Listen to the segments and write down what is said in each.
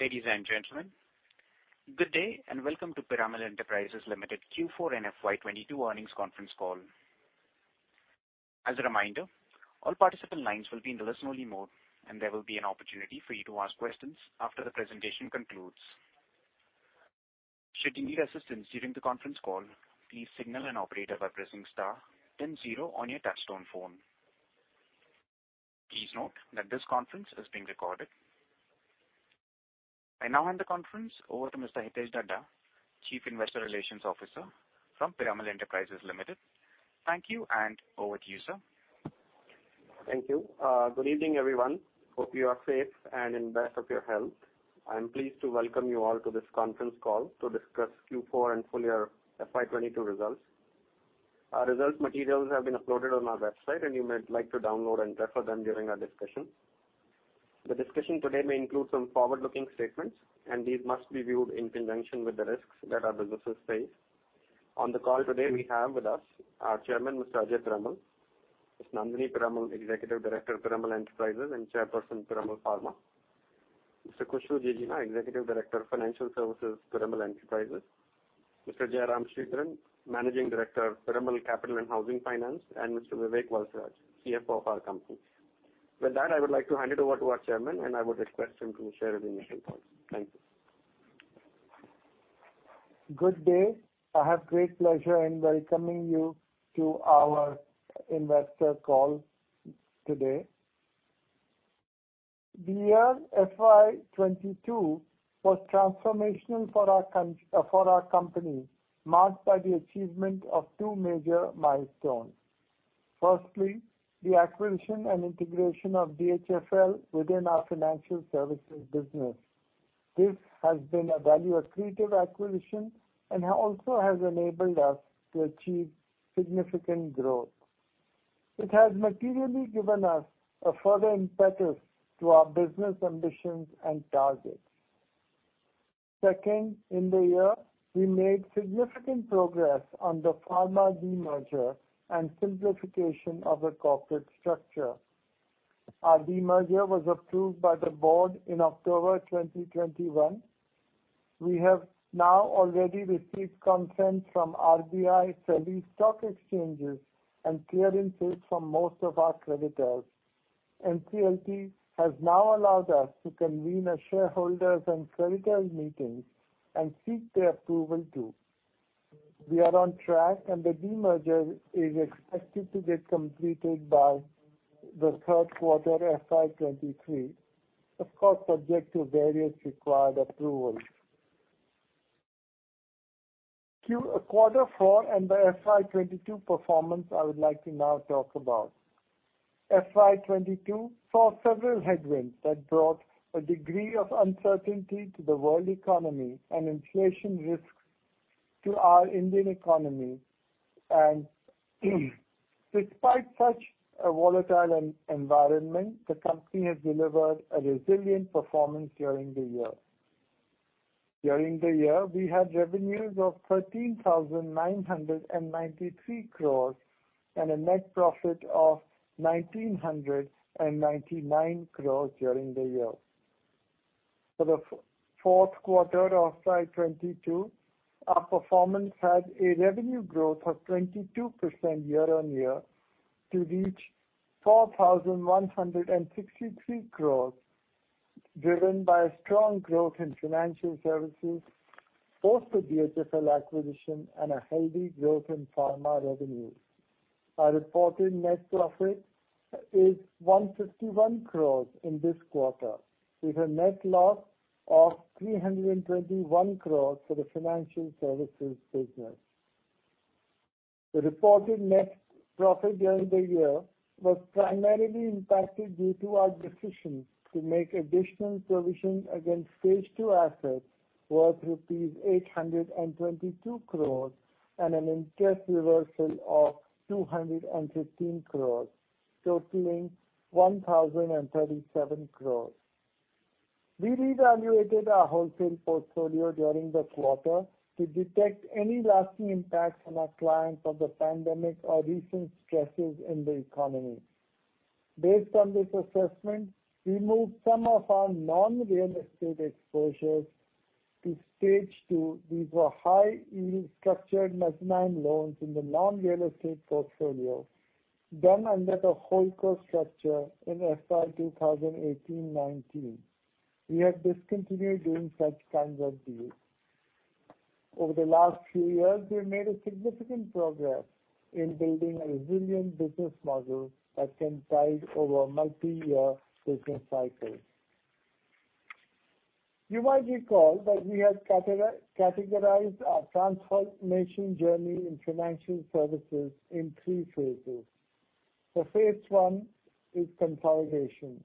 Ladies and gentlemen, good day, and welcome to Piramal Enterprises Limited Q4 and FY 2022 earnings conference call. As a reminder, all participant lines will be in listen-only mode, and there will be an opportunity for you to ask questions after the presentation concludes. Should you need assistance during the conference call, please signal an operator by pressing star then zero on your touchtone phone. Please note that this conference is being recorded. I now hand the conference over to Mr. Hitesh Dhaddha, Chief Investor Relations Officer from Piramal Enterprises Limited. Thank you, and over to you, sir. Thank you. Good evening, everyone. Hope you are safe and in best of your health. I am pleased to welcome you all to this conference call to discuss Q4 and full year FY 2022 results. Our results materials have been uploaded on our website, and you may like to download and refer them during our discussion. The discussion today may include some forward-looking statements, and these must be viewed in conjunction with the risks that our businesses face. On the call today we have with us our chairman, Mr. Ajay Piramal, Ms. Nandini Piramal, Executive Director of Piramal Enterprises and Chairperson, Piramal Pharma, Mr. Khushru Jijina, Executive Director of Financial Services, Piramal Enterprises, Mr. Jairam Sridharan, Managing Director of Piramal Capital & Housing Finance, and Mr. Vivek Valsaraj, CFO of our company. With that, I would like to hand it over to our Chairman, and I would request him to share the initial points. Thank you. Good day. I have great pleasure in welcoming you to our investor call today. The year FY 2022 was transformational for our company, marked by the achievement of two major milestones. Firstly, the acquisition and integration of DHFL within our financial services business. This has been a value-accretive acquisition and also has enabled us to achieve significant growth. It has materially given us a further impetus to our business ambitions and targets. Second, in the year, we made significant progress on the Pharma demerger and simplification of the corporate structure. Our demerger was approved by the board in October 2021. We have now already received consent from RBI, SEBI stock exchanges, and clearances from most of our creditors. NCLT has now allowed us to convene a shareholders and creditors meeting and seek their approval too. We are on track, and the demerger is expected to get completed by the third quarter FY 2023. Of course, subject to various required approvals. Q4 and the FY 2022 performance, I would like to now talk about. FY 2022 saw several headwinds that brought a degree of uncertainty to the world economy and inflation risks to our Indian economy. Despite such a volatile environment, the company has delivered a resilient performance during the year. During the year, we had revenues of 13,993 crores and a net profit of 1,999 crores during the year. For the Q4 of FY 2022, our performance had a revenue growth of 22% year-on-year to reach 4,163 crore, driven by a strong growth in financial services, post the DHFL acquisition and a healthy growth in pharma revenues. Our reported net profit is 151 crore in this quarter, with a net loss of 321 crore for the financial services business. The reported net profit during the year was primarily impacted due to our decision to make additional provision against Stage 2 assets worth rupees 822 crore and an interest reversal of 215 crore, totaling 1,037 crore. We reevaluated our wholesale portfolio during the quarter to detect any lasting impacts on our clients of the pandemic or recent stresses in the economy. Based on this assessment, we moved some of our non-real estate exposures to Stage 2. These were high yield structured mezzanine loans in the non-real estate portfolio done under the holdco structure in FY 2018/2019. We have discontinued doing such kinds of deals. Over the last few years, we have made a significant progress in building a resilient business model that can tide over multiyear business cycles. You might recall that we had categorized our transformation journey in financial services in three phases. The phase one is consolidation.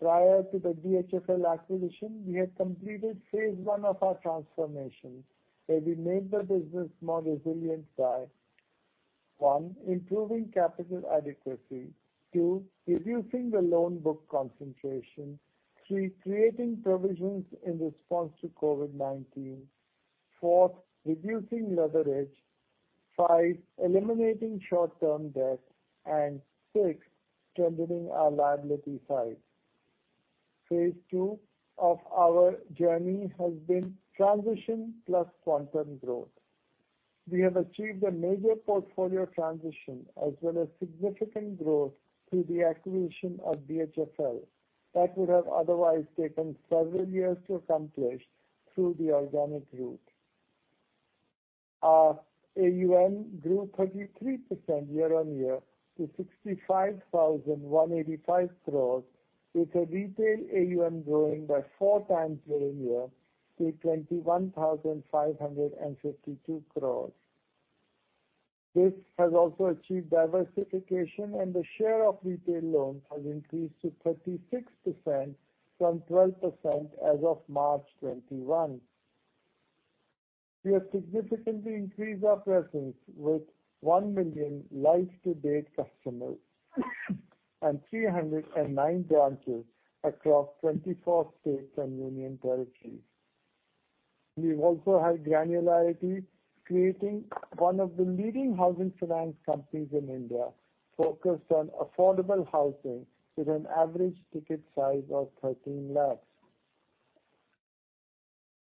Prior to the DHFL acquisition, we had completed phase one of our transformation, where we made the business more resilient by, one, improving capital adequacy. Two, reducing the loan book concentration. Three, creating provisions in response to COVID-19. Four, reducing leverage. Five, eliminating short-term debt. Six, strengthening our liability side. Phase two of our journey has been transition plus quantum growth. We have achieved a major portfolio transition as well as significant growth through the acquisition of DHFL that would have otherwise taken several years to accomplish through the organic route. Our AUM grew 33% year-on-year to 65,185 crore, with the retail AUM growing by 4x year-on-year to 21,552 crore. This has also achieved diversification, and the share of retail loans has increased to 36% from 12% as of March 2021. We have significantly increased our presence with 1 million live-to-date customers and 309 branches across 24 states and union territories. We have also had granularity, creating one of the leading housing finance companies in India focused on affordable housing with an average ticket size of 13 lakh.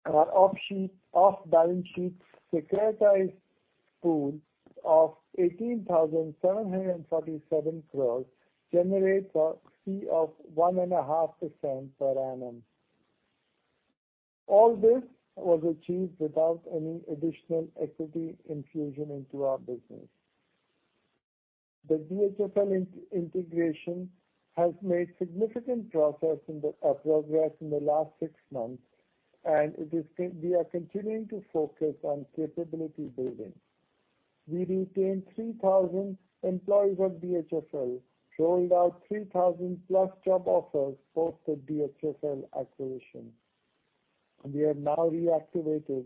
Our off-sheet, off-balance sheet securitized pool of 18,747 crores generates a fee of 1.5% per annum. All this was achieved without any additional equity infusion into our business. The DHFL integration has made significant progress in the last six months, and we are continuing to focus on capability building. We retained 3,000 employees at DHFL, rolled out 3,000+ job offers post the DHFL acquisition. We have now reactivated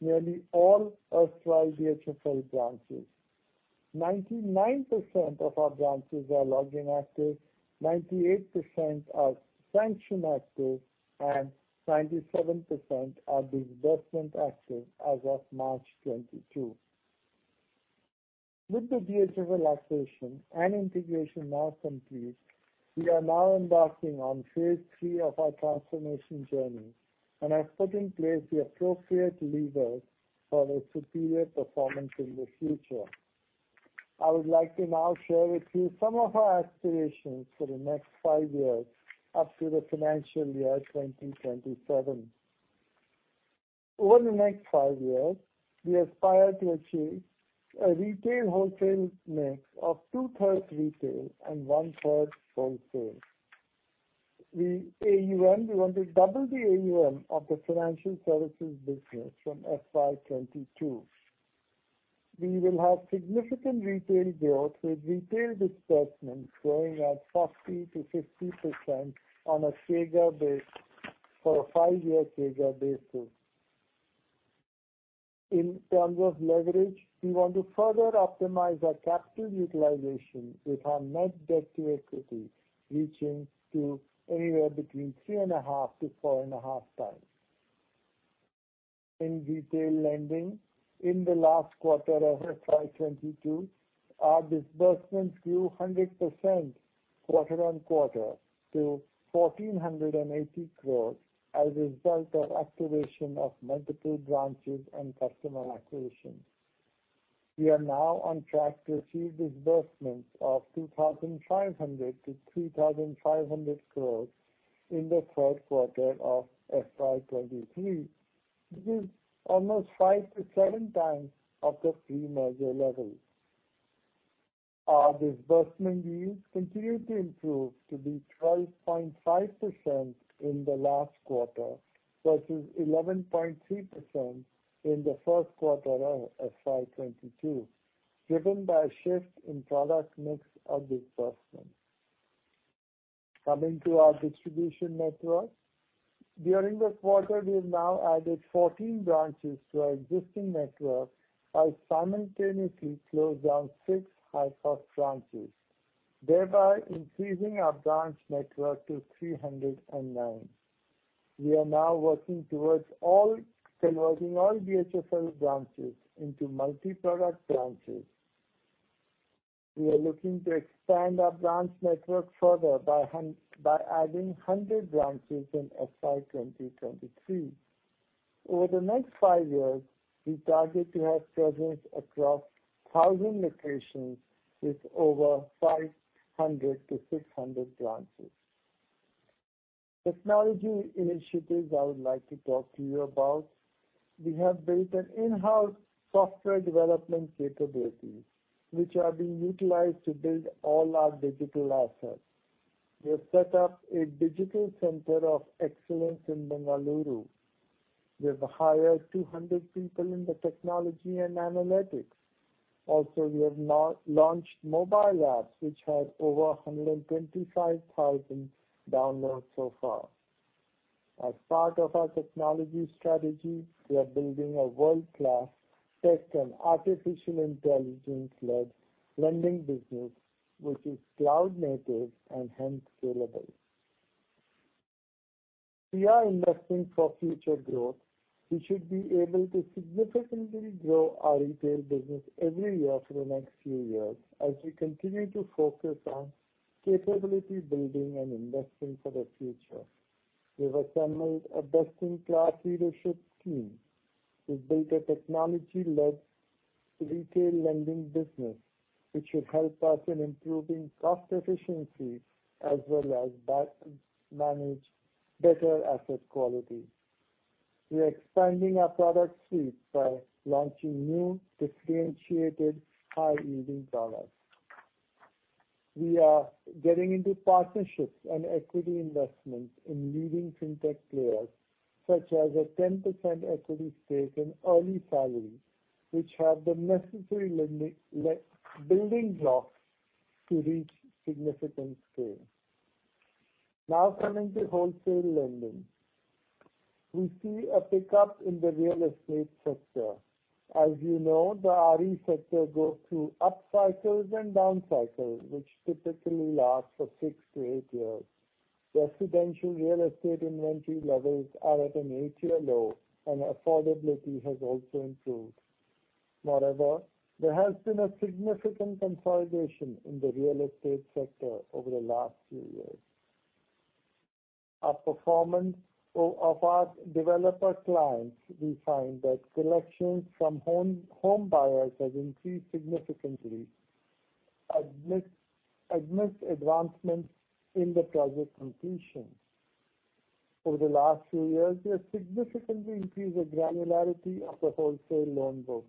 nearly all erstwhile DHFL branches. 99% of our branches are login active, 98% are sanction active, and 97% are disbursement active as of March 2022. With the DHFL acquisition and integration now complete, we are now embarking on phase three of our transformation journey and have put in place the appropriate levers for a superior performance in the future. I would like to now share with you some of our aspirations for the next five years up to the financial year 2027. Over the next five years, we aspire to achieve a retail wholesale mix of two-thirds retail and one-third wholesale. The AUM, we want to double the AUM of the financial services business from FY 2022. We will have significant retail growth, with retail disbursements growing at 50%-50% on a CAGR base for a five-year CAGR basis. In terms of leverage, we want to further optimize our capital utilization with our net debt to equity reaching to anywhere between 3.5x-4.5x. In retail lending, in the last quarter of FY 2022, our disbursements grew 100% quarter-over-quarter to 1,480 crore as a result of activation of multiple branches and customer acquisition. We are now on track to achieve disbursements of 2,500-3,500 crores in the Q3 of FY 2023. This is almost 5x-7x of the pre-merger levels. Our disbursement yields continue to improve to be 12.5% in the last quarter versus 11.3% in the Q1 of FY 2022, driven by a shift in product mix of disbursements. Coming to our distribution network. During the quarter, we have now added 14 branches to our existing network while simultaneously closed down six ICICI branches, thereby increasing our branch network to 309. We are now working towards converting all DHFL branches into multi-product branches. We are looking to expand our branch network further by adding 100 branches in FY 2023. Over the next five years, we target to have presence across 1,000 locations with over 500-600 branches. Technology initiatives I would like to talk to you about. We have built an in-house software development capabilities which are being utilized to build all our digital assets. We have set up a digital center of excellence in Bengaluru. We have hired 200 people in the technology and analytics. Also, we have now launched mobile apps which have over 125,000 downloads so far. As part of our technology strategy, we are building a world-class tech and artificial intelligence-led lending business which is cloud native and hence scalable. We are investing for future growth. We should be able to significantly grow our retail business every year for the next few years as we continue to focus on capability building and investing for the future. We've assembled a best-in-class leadership team to build a technology-led retail lending business, which should help us in improving cost efficiency as well as better manage asset quality. We are expanding our product suite by launching new differentiated high-yielding products. We are getting into partnerships and equity investments in leading fintech players such as a 10% equity stake in EarlySalary, which have the necessary building blocks to reach significant scale. Now coming to wholesale lending. We see a pickup in the real estate sector. As you know, the RE sector goes through upcycles and downcycles, which typically last for 6-8 years. Residential real estate inventory levels are at an eight-year low, and affordability has also improved. Moreover, there has been a significant consolidation in the real estate sector over the last few years. Our performance of our developer clients, we find that collections from home buyers has increased significantly amidst advancements in the project completion. Over the last few years, we have significantly increased the granularity of the wholesale loan book.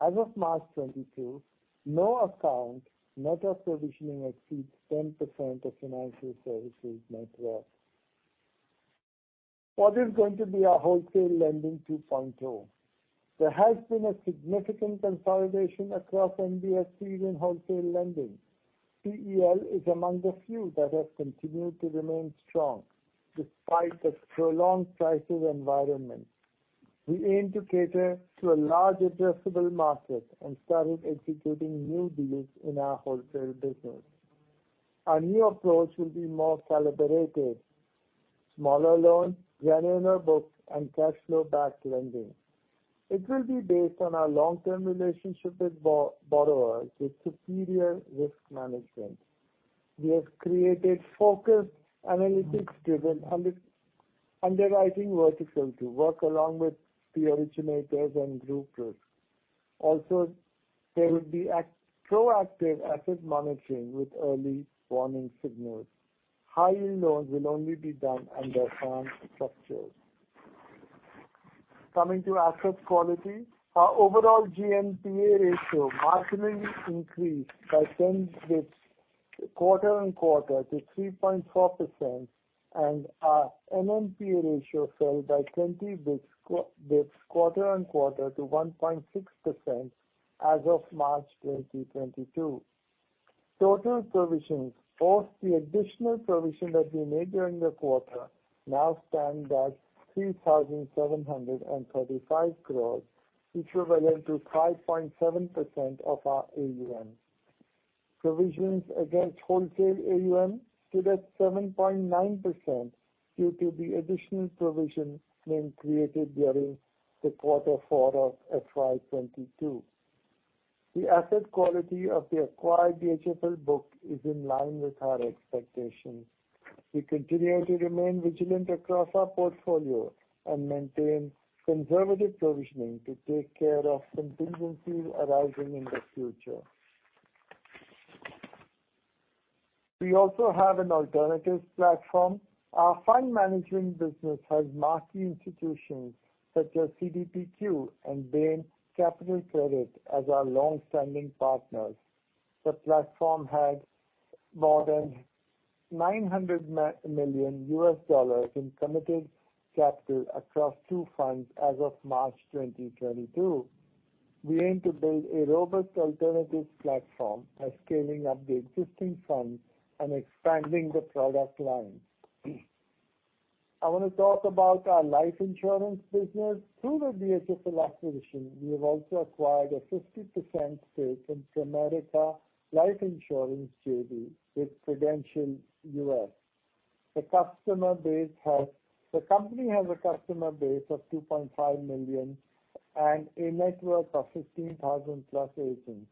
As of March 2022, no account net of provisioning exceeds 10% of financial services' net worth. What is going to be our wholesale lending 2.0? There has been a significant consolidation across NBFCs in wholesale lending. PEL is among the few that have continued to remain strong despite the prolonged crisis environment. We aim to cater to a large addressable market and started executing new deals in our wholesale business. Our new approach will be more calibrated. Smaller loans, granular books, and cash flow-backed lending. It will be based on our long-term relationship with borrowers with superior risk management. We have created focused analytics-driven underwriting vertical to work along with the originators and group risk. There will be proactive asset monitoring with early warning signals. High-yield loans will only be done under fund structures. Coming to asset quality. Our overall GNPA ratio marginally increased by 10 basis points quarter-on-quarter to 3.4% and our NNPA ratio fell by 20 basis points quarter-on-quarter to 1.6% as of March 2022. Total provisions post the additional provision that we made during the quarter now stand at 3,735 crores, equivalent to 5.7% of our AUM. Provisions against wholesale AUM stood at 7.9% due to the additional provision being created during quarter four of FY 2022. The asset quality of the acquired DHFL book is in line with our expectations. We continue to remain vigilant across our portfolio and maintain conservative provisioning to take care of contingencies arising in the future. We also have an alternatives platform. Our fund management business has marquee institutions such as CDPQ and Bain Capital Credit as our long-standing partners. The platform has more than $900 million in committed capital across two funds as of March 2022. We aim to build a robust alternatives platform by scaling up the existing funds and expanding the product line. I want to talk about our life insurance business. Through the DHFL acquisition, we have also acquired a 50% stake in Pramerica Life Insurance JV with Prudential U.S. The company has a customer base of 2.5 million and a network of 15,000+ agents.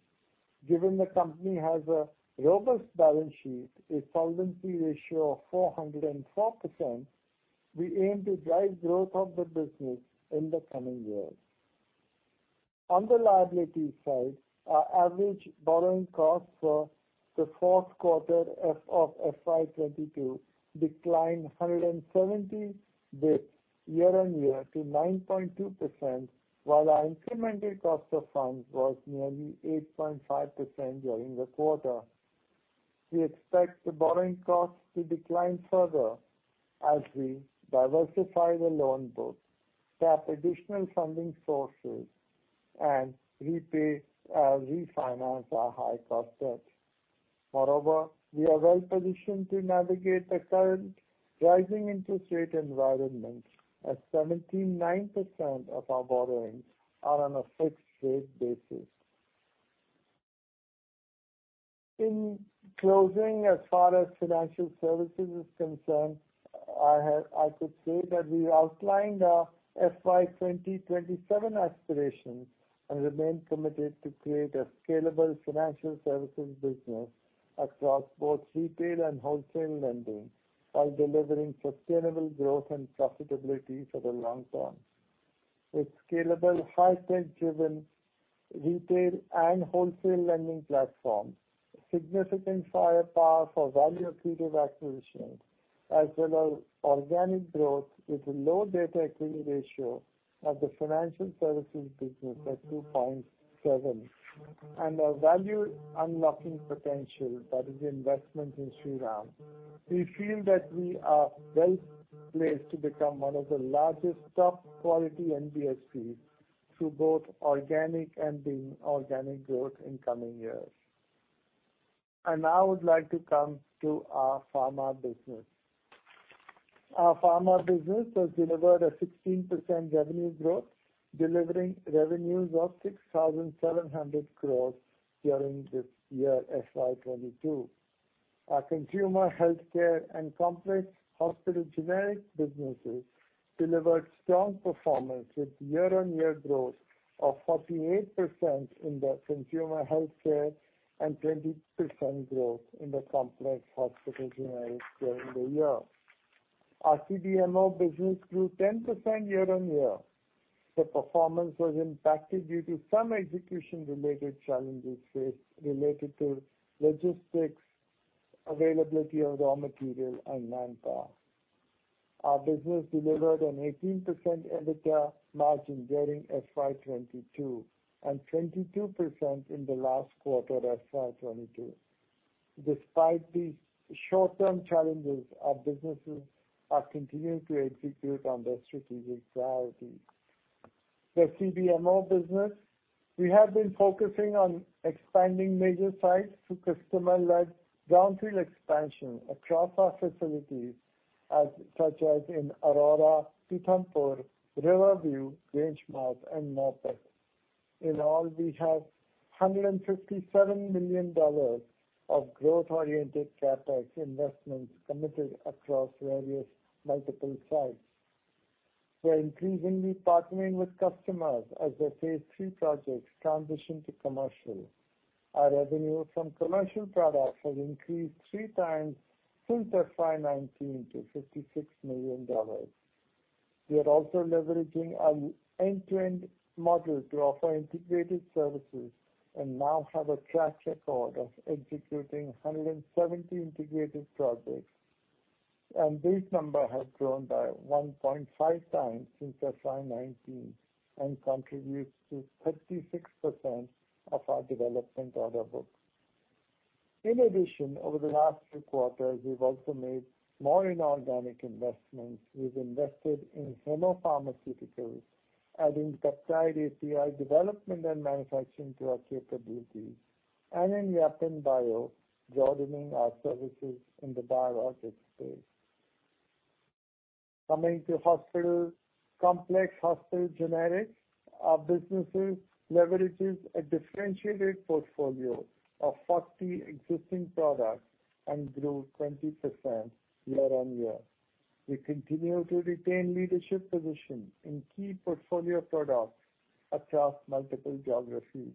Given the company has a robust balance sheet, a solvency ratio of 404%, we aim to drive growth of the business in the coming years. On the liability side, our average borrowing costs for the Q4 of FY 2022 declined 170 basis points year-on-year to 9.2%, while our incremental cost of funds was nearly 8.5% during the quarter. We expect the borrowing costs to decline further as we diversify the loan book, tap additional funding sources, and repay or refinance our high-cost debt. Moreover, we are well-positioned to navigate the current rising interest rate environment, as 79% of our borrowings are on a fixed-rate basis. In closing, as far as financial services is concerned, I could say that we outlined our FY 2027 aspirations and remain committed to create a scalable financial services business across both retail and wholesale lending, while delivering sustainable growth and profitability for the long term. With scalable, high tech-driven retail and wholesale lending platforms, significant firepower for value-accretive acquisitions, as well as organic growth with a low debt-equity ratio of the financial services business at 2.7, and our value-unlocking potential that is investment in Shriram, we feel that we are well placed to become one of the largest top-quality NBFCs through both organic and inorganic growth in coming years. Now I would like to come to our pharma business. Our pharma business has delivered a 16% revenue growth, delivering revenues of 6,700 crore during this year, FY 2022. Our consumer healthcare and complex hospital generic businesses delivered strong performance with year-on-year growth of 48% in the consumer healthcare and 20% growth in the complex hospital generics during the year. Our CDMO business grew 10% year-on-year. The performance was impacted due to some execution-related challenges faced related to logistics, availability of raw material, and manpower. Our business delivered an 18% EBITDA margin during FY 2022 and 22% in the last quarter of FY 2022. Despite these short-term challenges, our businesses are continuing to execute on their strategic priorities. The CDMO business, we have been focusing on expanding major sites through customer-led brownfield expansion across our facilities such as in Aurora, Puttaparthi, Riverview, Gangnam, and Norfolk. In all, we have $157 million of growth-oriented CapEx investments committed across various multiple sites. We're increasingly partnering with customers as their phase three projects transition to commercial. Our revenue from commercial products has increased 3x since FY 2019 to $56 million. We are also leveraging an end-to-end model to offer integrated services and now have a track record of executing 170 integrated projects. This number has grown by 1.5x since FY 2019 and contributes to 36% of our development order book. In addition, over the last three quarters, we've also made more inorganic investments. We've invested in Hemmo Pharmaceuticals, adding peptide API development and manufacturing to our capabilities, and in Yapan Bio, broadening our services in the biologics space. Coming to hospital and complex hospital generics, our businesses leverages a differentiated portfolio of 40 existing products and grew 20% year-on-year. We continue to retain leadership position in key portfolio products across multiple geographies.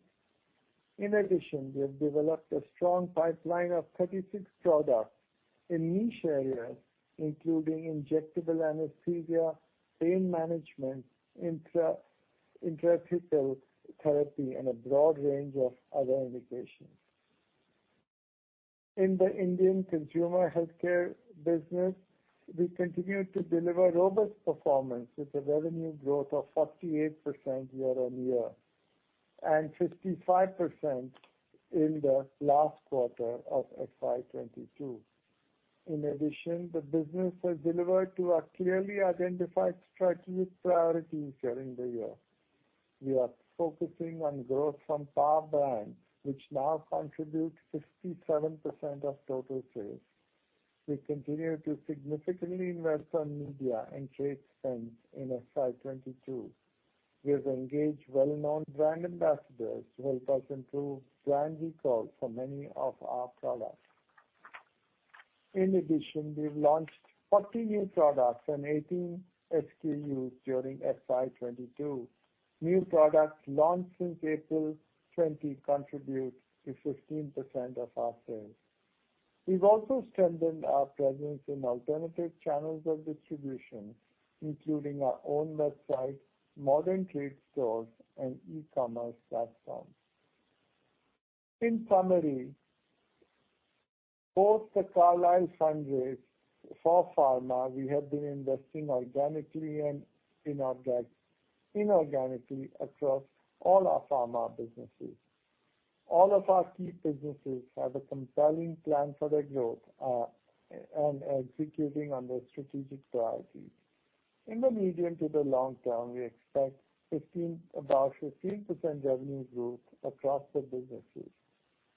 In addition, we have developed a strong pipeline of 36 products in niche areas, including injectable anesthesia, pain management, intrathecal therapy, and a broad range of other indications. In the Indian consumer healthcare business, we continue to deliver robust performance with a revenue growth of 48% year-on-year and 55% in the last quarter of FY 2022. In addition, the business has delivered to our clearly identified strategic priorities during the year. We are focusing on growth from top brands, which now contribute 57% of total sales. We continue to significantly invest on media and trade spends in FY 2022. We have engaged well-known brand ambassadors to help us improve brand recall for many of our products. In addition, we've launched 40 new products and 18 SKUs during FY 2022. New products launched since April 2020 contribute to 15% of our sales. We've also strengthened our presence in alternative channels of distribution, including our own website, modern trade stores, and e-commerce platforms. In summary, post the Carlyle fundraise for pharma, we have been investing organically and inorganically across all our pharma businesses. All of our key businesses have a compelling plan for their growth, and are executing on their strategic priorities. In the medium to the long term, we expect about 15% revenue growth across the businesses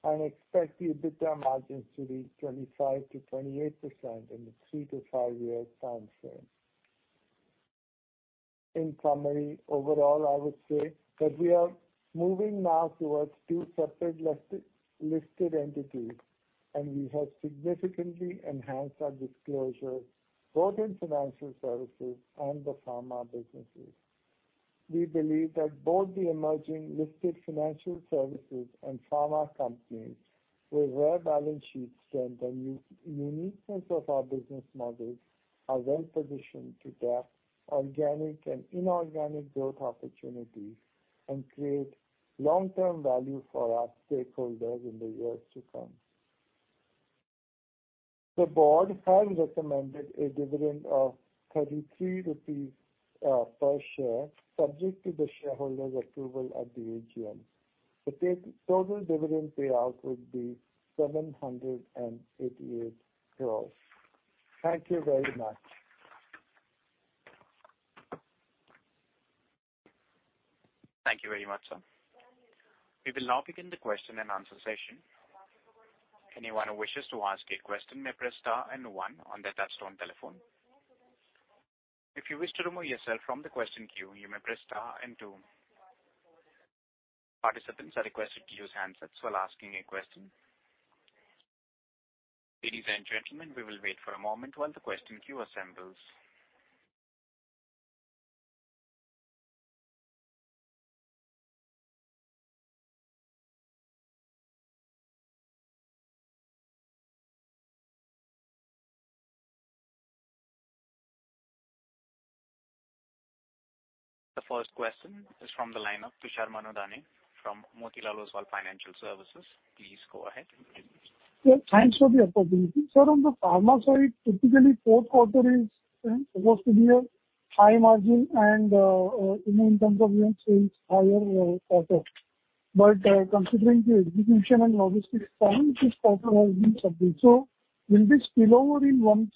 and expect the EBITDA margins to be 25%-28% in the 3-5 year time frame. In summary, overall, I would say that we are moving now towards two separate listed entities, and we have significantly enhanced our disclosure both in financial services and the pharma businesses. We believe that both the emerging listed financial services and pharma companies with their balance sheet strength and uniqueness of our business models are well-positioned to tap organic and inorganic growth opportunities and create long-term value for our stakeholders in the years to come. The board has recommended a dividend of 33 rupees per share, subject to the shareholders' approval at the AGM. The total dividend payout would be 788 crore. Thank you very much. Thank you very much, sir. We will now begin the question-and-answer session. Anyone who wishes to ask a question may press star and one on their touchtone telephone. If you wish to remove yourself from the question queue, you may press star and two. Participants are requested to use handsets while asking a question. Ladies and gentlemen, we will wait for a moment while the question queue assembles. The first question is from the line of Tushar Manudhane from Motilal Oswal Financial Services. Please go ahead. Yeah, thanks for the opportunity. Sir, on the pharma side, typically fourth quarter is supposed to be a high margin and, you know, in terms of unit sales, higher quarter. Considering the execution and logistics problem, this quarter has been subdued. Will this spill over in Q1,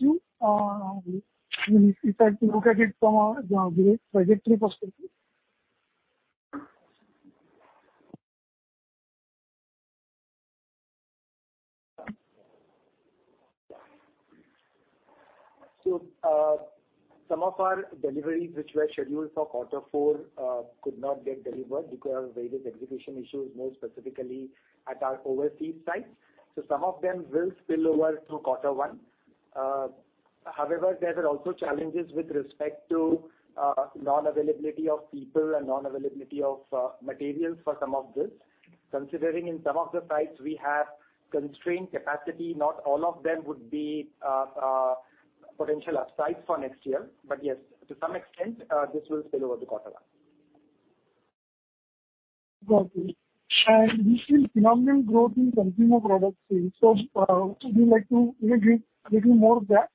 if we try to look at it from the trajectory perspective? Some of our deliveries which were scheduled for quarter four could not get delivered because of various execution issues, more specifically at our overseas sites. Some of them will spill over to quarter one. However, there are also challenges with respect to non-availability of people and non-availability of materials for some of this. Considering in some of the sites we have constrained capacity, not all of them would be potential upsides for next year. Yes, to some extent, this will spill over to quarter one. Got you. We've seen phenomenal growth in consumer product sales. Would you like to, you know, give a little more of that?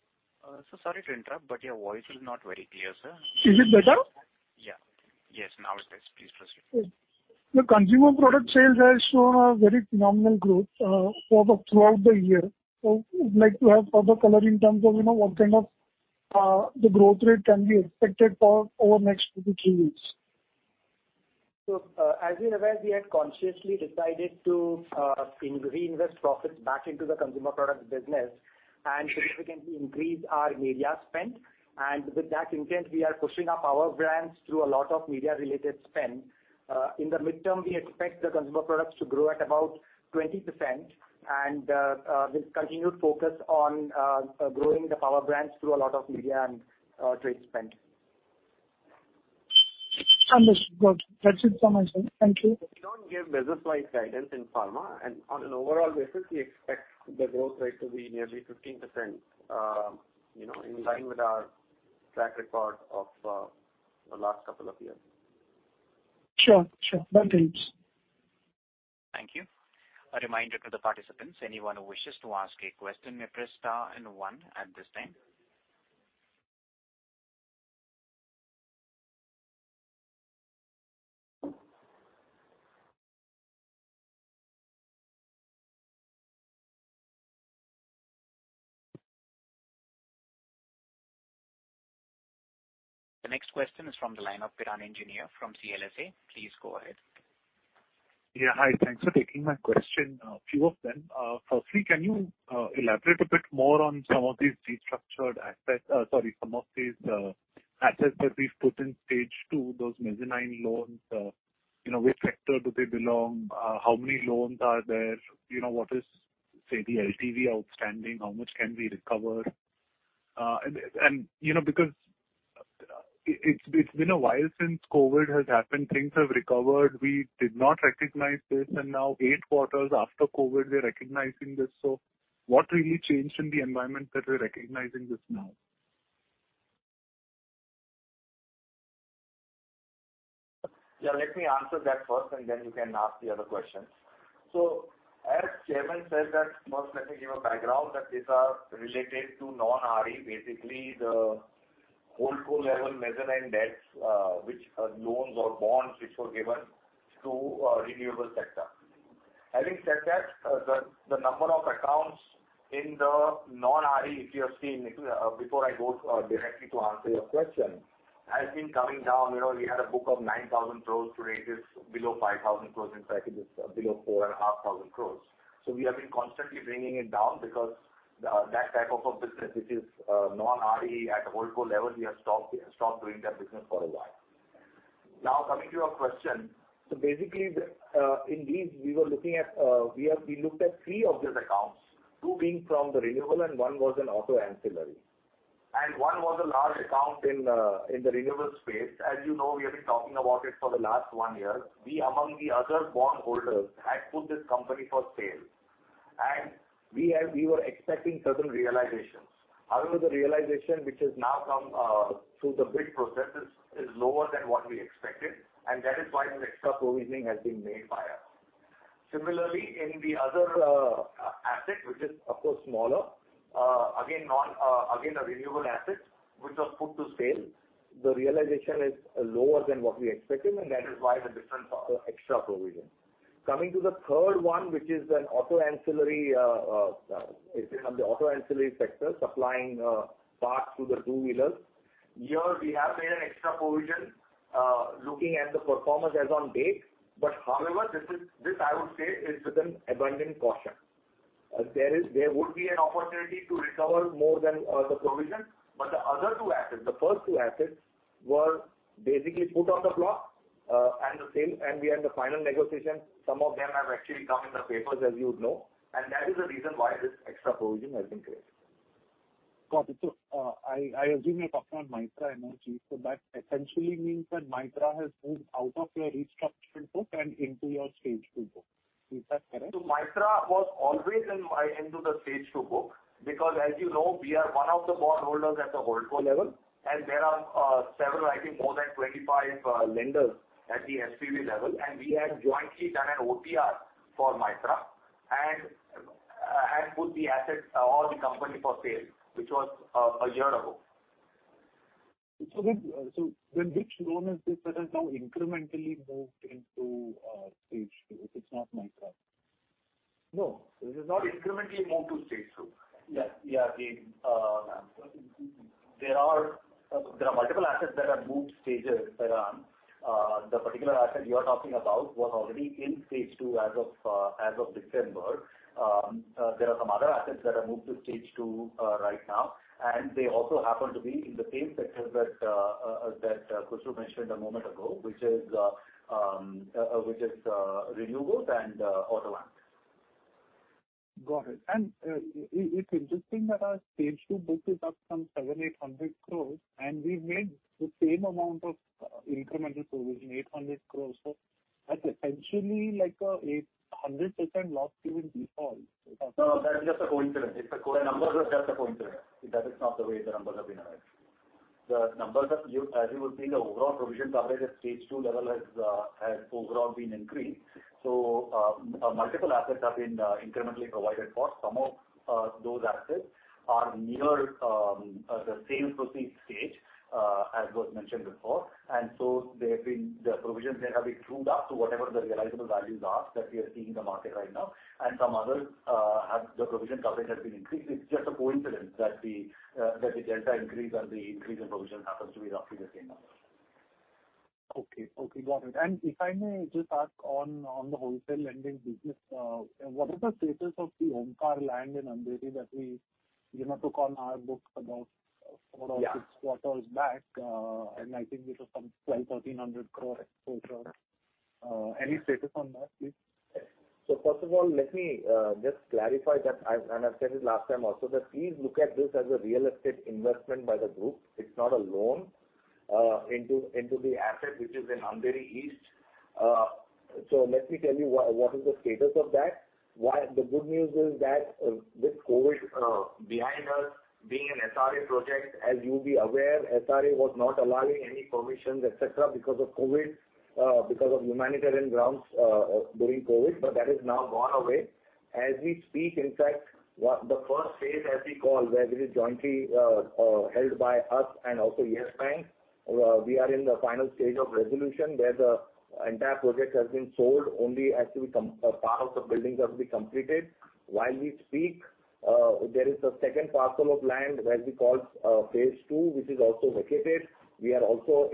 Sir, sorry to interrupt, but your voice is not very clear, sir. Is it better? Yeah. Yes, now it's better. Please proceed. Good. The consumer product sales has shown a very phenomenal growth over throughout the year. Would like to have further color in terms of, you know, what kind of, the growth rate can be expected for over next two to three years? As you're aware, we had consciously decided to reinvest profits back into the consumer products business and significantly increase our media spend. With that intent, we are pushing up our brands through a lot of media-related spend. In the medium term, we expect the consumer products to grow at about 20% with continued focus on growing the power brands through a lot of media and trade spend. Understood. Got you. That's it from my side. Thank you. We don't give business-wide guidance in pharma. On an overall basis, we expect the growth rate to be nearly 15%, you know, in line with our track record of the last couple of years. Sure. Thanks. Thank you. A reminder to the participants, anyone who wishes to ask a question may press star and one at this time. The next question is from the line of Piran Engineer from CLSA. Please go ahead. Yeah. Hi. Thanks for taking my question, few of them. Firstly, can you elaborate a bit more on some of these restructured assets. Sorry, some of these assets that we've put in Stage 2, those mezzanine loans, you know, which sector do they belong? How many loans are there? You know, what is, say, the LTV outstanding? How much can we recover? And, you know, because it's been a while since COVID has happened. Things have recovered. We did not recognize this, and now eight quarters after COVID we're recognizing this. What really changed in the environment that we're recognizing this now? Yeah, let me answer that first, and then you can ask the other questions. As Chairman said that. First, let me give a background that these are related to non-RE, basically the holdco-level mezzanine debts, which are loans or bonds which were given to renewable sector. Having said that, the number of accounts in the non-RE, if you have seen, before I go directly to answer your question, has been coming down. You know, we had a book of 9,000 crores. Today it is below 5,000 crores. In fact, it is below 4,500 crores. We have been constantly bringing it down because that type of a business which is non-RE at holdco level, we have stopped doing that business for a while. Now coming to your question. Basically, in these, we looked at three of these accounts, two being from the renewable and one was an auto ancillary. One was a large account in the renewable space. As you know, we have been talking about it for the last one year. We, among the other bondholders, had put this company for sale, and we were expecting certain realizations. However, the realization which has now come through the bid processes is lower than what we expected, and that is why this extra provisioning has been made by us. Similarly, in the other asset, which is of course smaller, again, a renewable asset which was put to sale, the realization is lower than what we expected, and that is why the difference of extra provision. Coming to the third one, which is an auto ancillary, it's in the auto ancillary sector supplying parts to the two-wheelers. Here we have made an extra provision looking at the performance as on date. However, this I would say is with an abundant caution. There would be an opportunity to recover more than the provision. The other two assets, the first two assets were basically put on the block and the sale, and we are in the final negotiation. Some of them have actually come in the papers, as you would know, and that is the reason why this extra provision has been created. Got it. I assume you're talking on Mytrah Energy. That essentially means that Mytrah has moved out of your restructured book and into your Stage 2 book. Is that correct? Mytrah was always into the Stage 2 book because as you know, we are one of the bondholders at the holdco level and there are several, I think more than 25, lenders at the SPV level. We have jointly done an OTR for Mytrah and put the assets or the company for sale, which was a year ago. Which loan is this that has now incrementally moved into Stage 2, if it's not Mytrah? No. This is not incrementally moved to Stage 2. There are multiple assets that have moved stages, Kiran. The particular asset you are talking about was already in Stage 2 as of December. There are some other assets that have moved to Stage 2 right now, and they also happen to be in the same sector that Khushru mentioned a moment ago, which is renewables and auto loans. Got it. It's interesting that our Stage 2 book is up some 700-800 crores and we've made the same amount of incremental provision, 800 crores. That's essentially like an 800% loss given default. No, that's just a coincidence. The numbers are just a coincidence. That is not the way the numbers have been arrived. The numbers have, as you would see, the overall provision coverage at Stage 2 level has overall been increased. Multiple assets have been incrementally provided for. Some of those assets are near the sales proceeds stage, as was mentioned before. They have been, the provisions there have been trued up to whatever the realizable values are that we are seeing in the market right now. Some others have the provision coverage has been increased. It's just a coincidence that the delta increase or the increase in provision happens to be roughly the same number. Okay. Got it. If I may just ask on the wholesale lending business, what is the status of the Omkar land in Andheri that we, you know, took on our books about four or six quarters back? Yeah. I think this was some 1,200-1,300 crore exposure. Any status on that, please? First of all, let me just clarify that I've said it last time also, that please look at this as a real estate investment by the group. It's not a loan into the asset which is in Andheri East. Let me tell you what is the status of that. The good news is that, with COVID behind us being an SRA project, as you'll be aware, SRA was not allowing any permissions, et cetera, because of COVID, because of humanitarian grounds during COVID, but that has now gone away. As we speak, in fact, what the first phase as we call, where this is jointly held by us and also Yes Bank, we are in the final stage of resolution where the entire project has been sold only as to be com. Part of the buildings are to be completed. While we speak, there is a second parcel of land where we call phase two, which is also vacated. We are also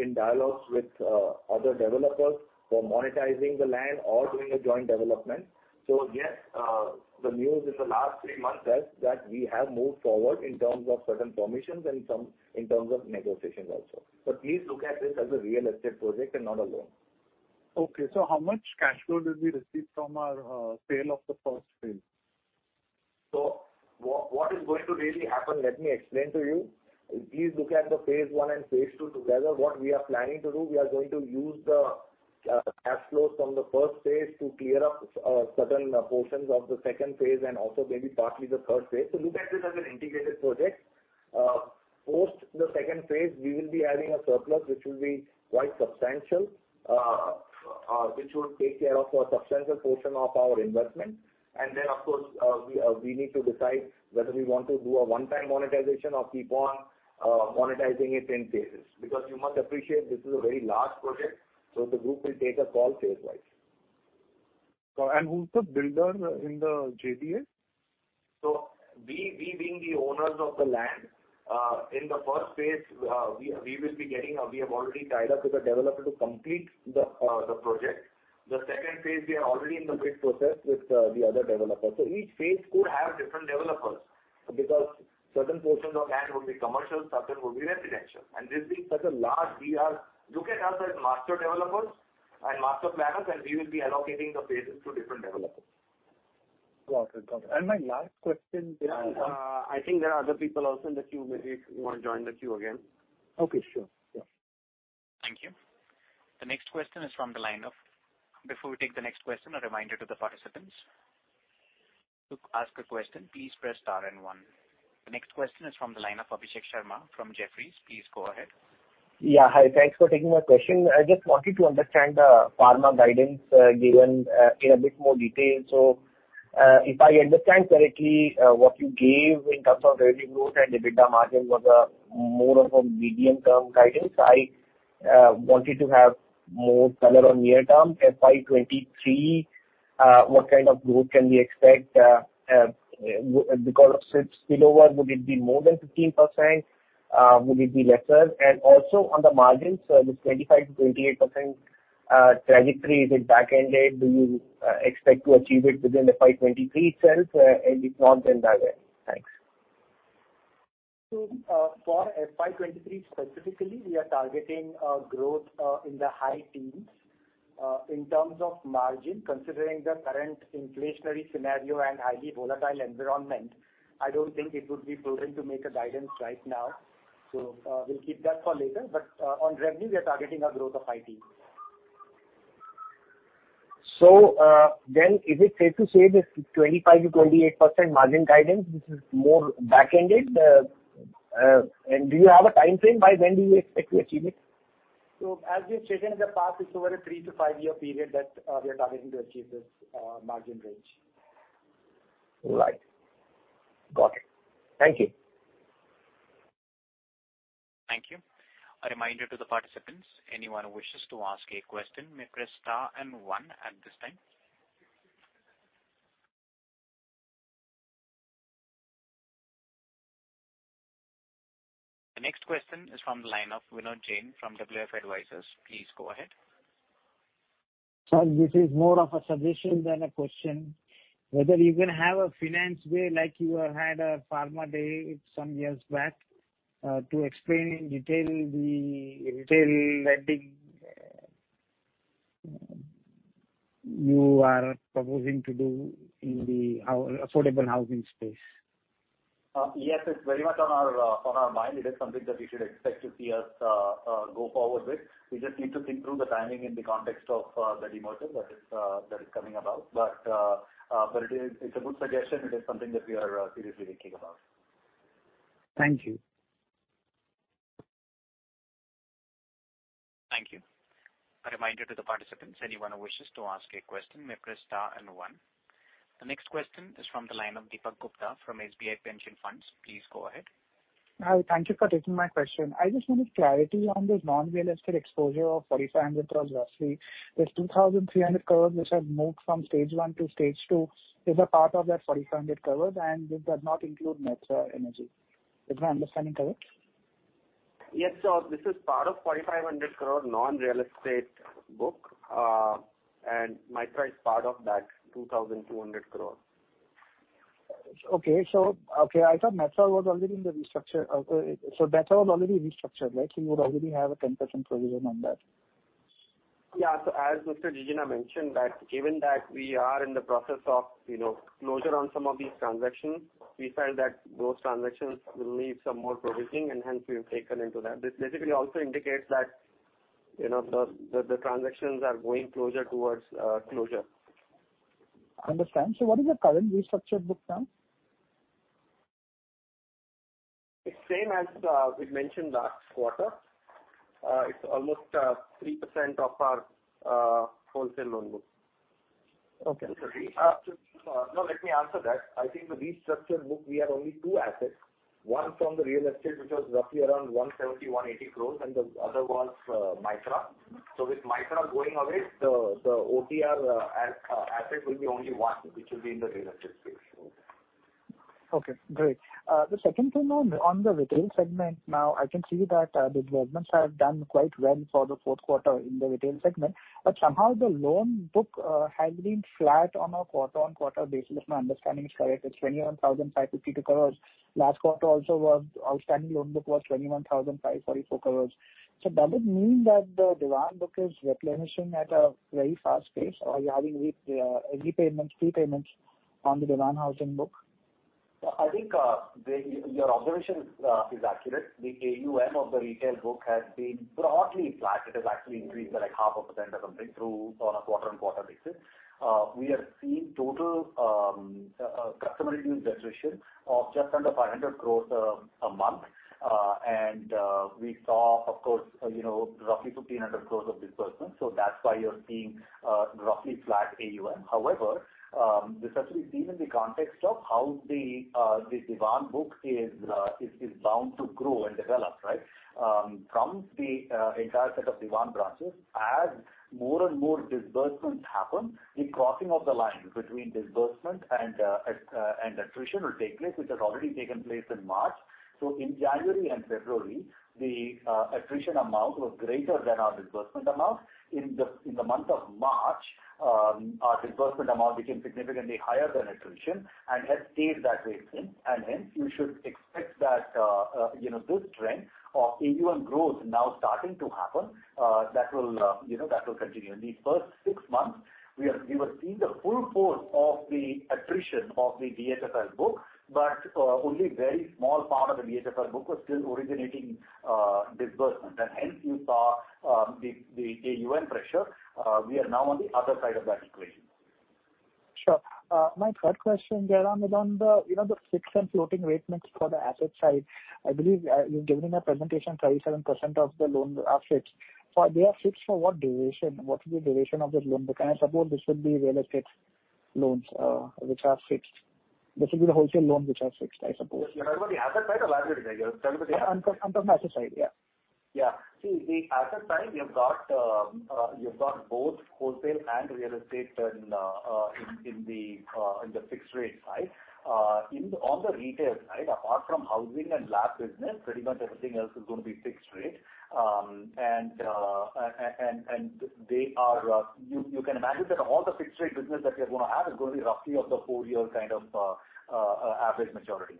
in dialogues with other developers for monetizing the land or doing a joint development. Yes, the news in the last three months says that we have moved forward in terms of certain permissions and some in terms of negotiations also. Please look at this as a real estate project and not a loan. How much cash flow did we receive from our sale of the first phase? What is going to really happen, let me explain to you. Please look at the phase one and phase two together. What we are planning to do, we are going to use the cash flows from the first phase to clear up certain portions of the second phase and also maybe partly the third phase. Look at this as an integrated project. Post the second phase, we will be having a surplus, which will be quite substantial, which will take care of a substantial portion of our investment. Then of course, we need to decide whether we want to do a one-time monetization or keep on monetizing it in phases. Because you must appreciate this is a very large project, so the group will take a call phase-wise. Who's the builder in the JDA? We, being the owners of the land, in the first phase, we have already tied up with a developer to complete the project. The second phase we are already in the bid process with the other developers. Each phase could have different developers. Because certain portions of land will be commercial, certain will be residential. This being such a large project, look at us as master developers and master planners, and we will be allocating the phases to different developers. Got it. My last question. Yeah. I think there are other people also in the queue. Maybe if you wanna join the queue again. Okay. Sure. Yeah. Thank you. Before we take the next question, a reminder to the participants. To ask a question, please press star and one. The next question is from the line of Abhishek Sharma from Jefferies. Please go ahead. Yeah. Hi. Thanks for taking my question. I just wanted to understand the pharma guidance given in a bit more detail. So, if I understand correctly, what you gave in terms of revenue growth and EBITDA margin was more of a medium-term guidance. I wanted to have more color on near term. FY 2023, what kind of growth can we expect because of spillover, would it be more than 15%? Would it be lesser? And also on the margins, so this 25%-28% trajectory, is it back-ended? Do you expect to achieve it within the FY 2023 itself? And if not, then by when? Thanks. For FY 2023 specifically, we are targeting growth in the high teens%. In terms of margin, considering the current inflationary scenario and highly volatile environment, I don't think it would be prudent to make a guidance right now. We'll keep that for later. On revenue, we are targeting a growth of high teens%. Is it safe to say this 25%-28% margin guidance, this is more back-ended? Do you have a timeframe by when do you expect to achieve it? As we've stated in the past, it's over a 3-5-year period that we are targeting to achieve this margin range. Right. Got it. Thank you. Thank you. A reminder to the participants, anyone who wishes to ask a question may press star and one at this time. The next question is from the line of Vinod Jain from WF Advisors. Please go ahead. Sir, this is more of a suggestion than a question. Whether you can have a finance day like you had a pharma day some years back, to explain in detail the retail lending you are proposing to do in the affordable housing space. Yes, it's very much on our mind. It is something that you should expect to see us go forward with. We just need to think through the timing in the context of the demerger that is coming about. It is. It's a good suggestion. It is something that we are seriously thinking about. Thank you. Thank you. A reminder to the participants, anyone who wishes to ask a question may press star and one. The next question is from the line of Deepak Gupta from SBI Pension Funds. Please go ahead. Hi. Thank you for taking my question. I just wanted clarity on the non-real estate exposure of 4,500 crore roughly. There's 2,300 crore which have moved from Stage 1 to Stage 2. Is that part of that 4,500 crore and this does not include Mytrah Energy? Is my understanding correct? Yes, this is part of 4,500 crore non-real estate book. Mytrah is part of that 2,200 crore. I thought Mytrah was already in the restructure. Mytrah was already restructured, right? You would already have a 10% provision on that. As Mr. Khushru Jijina mentioned that given that we are in the process of, you know, closure on some of these transactions, we felt that those transactions will need some more provisioning and hence we have taken into that. This basically also indicates that, you know, the transactions are going closer towards closure. Understand. What is your current restructured book now? It's same as we'd mentioned last quarter. It's almost 3% of our wholesale loan book. Okay. No, let me answer that. I think the restructured book, we have only two assets. One from the real estate, which was roughly around 170-180 crore, and the other was Mytrah. With Mytrah going away, the OTR asset will be only one, which will be in the real estate space. Okay, great. The second thing on the retail segment now, I can see that the disbursements have done quite well for the fourth quarter in the retail segment. Somehow the loan book has been flat on a quarter-on-quarter basis, if my understanding is correct. It's 21,552 crores. Last quarter also was outstanding loan book was 21,544 crores. Does it mean that the Dewan book is replenishing at a very fast pace or you're having repayments, prepayments on the Dewan Housing book? I think your observation is accurate. The AUM of the retail book has been broadly flat. It has actually increased by like 0.5% or something on a quarter-over-quarter basis. We are seeing total customer reduced attrition of just under 500 crore a month. We saw, of course, you know, roughly 1,500 crore of disbursement. That's why you're seeing roughly flat AUM. However, this has to be seen in the context of how the Dewan book is bound to grow and develop, right? From the entire set of Dewan branches, as more and more disbursements happen, the crossing of the line between disbursement and attrition will take place, which has already taken place in March. In January and February, the attrition amount was greater than our disbursement amount. In the month of March, our disbursement amount became significantly higher than attrition and has stayed that way since. Hence, you should expect that, you know, this trend of AUM growth now starting to happen, that will, you know, that will continue. In the first six months, we were seeing the full force of the attrition of the DHFL book, but only very small part of the DHFL book was still originating disbursement. Hence you saw the AUM pressure. We are now on the other side of that equation. Sure. My third question, Jairam, is on the, you know, the fixed and floating rate mix for the asset side. I believe, you've given in a presentation 37% of the loans are fixed. So they are fixed for what duration? What is the duration of this loan book? And I suppose this would be real estate loans, which are fixed. This would be the wholesale loans which are fixed, I suppose. You're talking about the asset side or liability side here? On the asset side, yeah. Yeah. See, the asset side, you've got both wholesale and real estate in the fixed rate side. On the retail side, apart from housing and LAP business, pretty much everything else is gonna be fixed rate. And you can imagine that all the fixed rate business that you're gonna have is gonna be roughly of the 4-year kind of average maturity.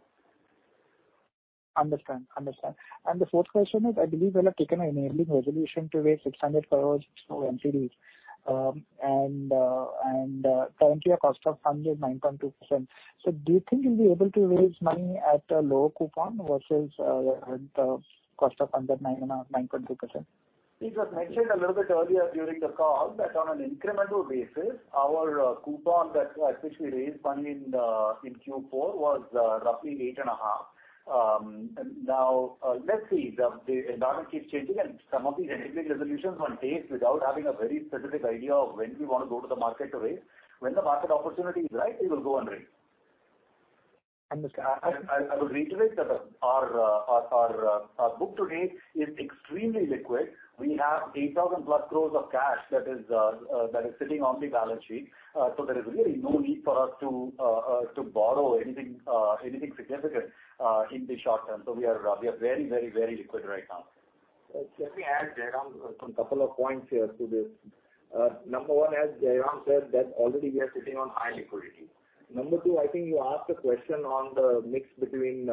Understand. The fourth question is, I believe you'll have taken an enabling resolution to raise 600 crore through NCD. Currently your cost of funds is 9.2%. Do you think you'll be able to raise money at a lower coupon versus cost of funds at 9.2%? It was mentioned a little bit earlier during the call that on an incremental basis, our coupon at which we raised money in Q4 was roughly 8.5%. Now, let's see. The environment keeps changing and some of these enabling resolutions one takes without having a very specific idea of when we want to go to the market to raise. When the market opportunity is right, we will go and raise. Understood. I will reiterate that our book to date is extremely liquid. We have 8,000+ crores of cash that is sitting on the balance sheet. There is really no need for us to borrow anything significant in the short term. We are very liquid right now. Let me add, Jairam, some couple of points here to this. Number one, as Jairam said, that already we are sitting on high liquidity. Number two, I think you asked a question on the mix between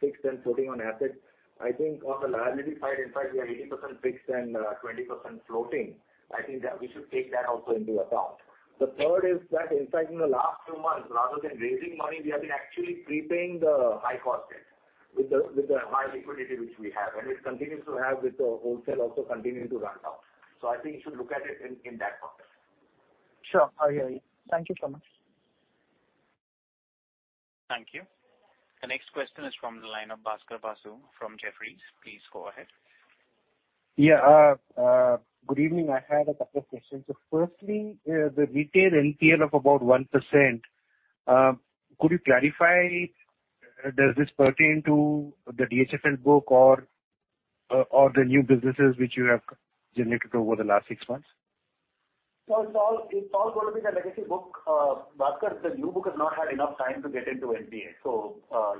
fixed and floating on assets. I think on the liability side, in fact, we are 80% fixed and 20% floating. I think that we should take that also into account. The third is that in fact in the last few months, rather than raising money, we have been actually prepaying the high cost debt with the high liquidity which we have, and it continues to have with the wholesale also continuing to run down. I think you should look at it in that context. Sure. I hear you. Thank you so much. Thank you. The next question is from the line of Bhaskar Basu from Jefferies. Please go ahead. Good evening. I had a couple of questions. Firstly, the retail NPL of about 1%, could you clarify, does this pertain to the DHFL book or the new businesses which you have generated over the last six months? It's all going to be the legacy book. Bhaskar, the new book has not had enough time to get into NPA.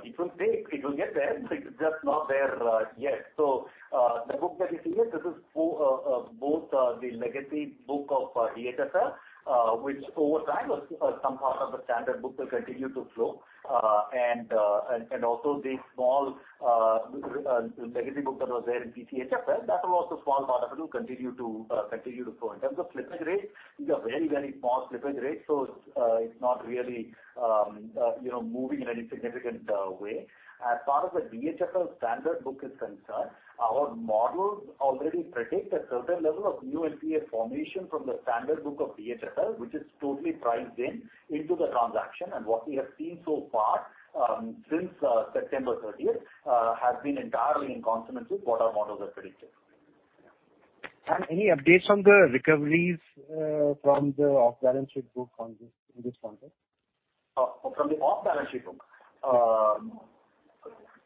It will take, it will get there, but it's just not there yet. The book that you see here, this is both the legacy book of DHFL, which over time some part of the standard book will continue to flow, and also the small legacy book that was there in PCHFL, that was the small part of it will continue to flow. In terms of slippage rates, these are very small slippage rates, so it's not really, you know, moving in any significant way. As far as the DHFL standard book is concerned, our models already predict a certain level of new NPA formation from the standard book of DHFL, which is totally priced into the transaction. What we have seen so far, since September 13th, has been entirely in consonance with what our models have predicted. Any updates on the recoveries from the off-balance sheet book on this, in this context? From the off-balance sheet book?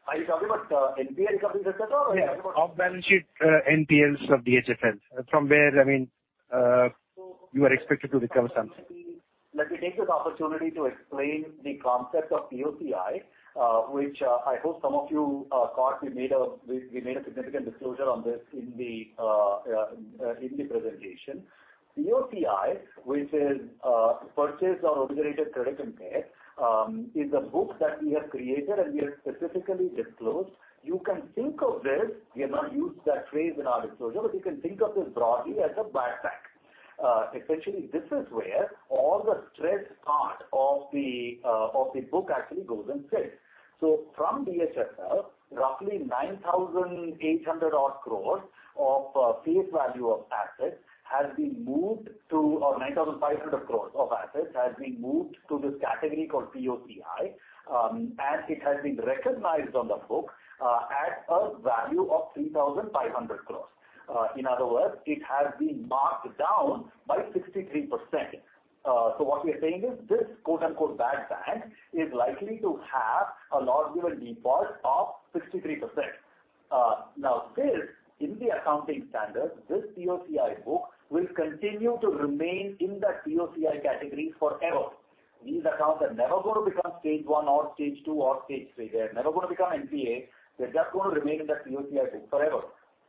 Are you talking about NPA recovery that's at all? Yeah. Off-balance sheet NPLs of DHFL. From where, I mean, you are expected to recover something. Let me take this opportunity to explain the concept of POCI, which I hope some of you caught. We made a significant disclosure on this in the presentation. POCI, which is Purchased or Originated Credit Impaired, is a book that we have created and we have specifically disclosed. You can think of this, we have not used that phrase in our disclosure, but you can think of this broadly as a bad bank. Essentially this is where all the stressed part of the book actually goes and sits. From DHFL, roughly 9,800 crores of face value of assets has been moved to, or 9,500 crores of assets has been moved to this category called POCI. It has been recognized on the book at a value of 3,500 crores. In other words, it has been marked down by 63%. What we are saying is this quote unquote bad bank is likely to have a loss given default of 63%. This, in the accounting standard, this POCI book will continue to remain in that POCI category forever. These accounts are never gonna become Stage 1 or Stage 2 or Stage 3. They're never gonna become NPA. They're just gonna remain in that POCI book forever.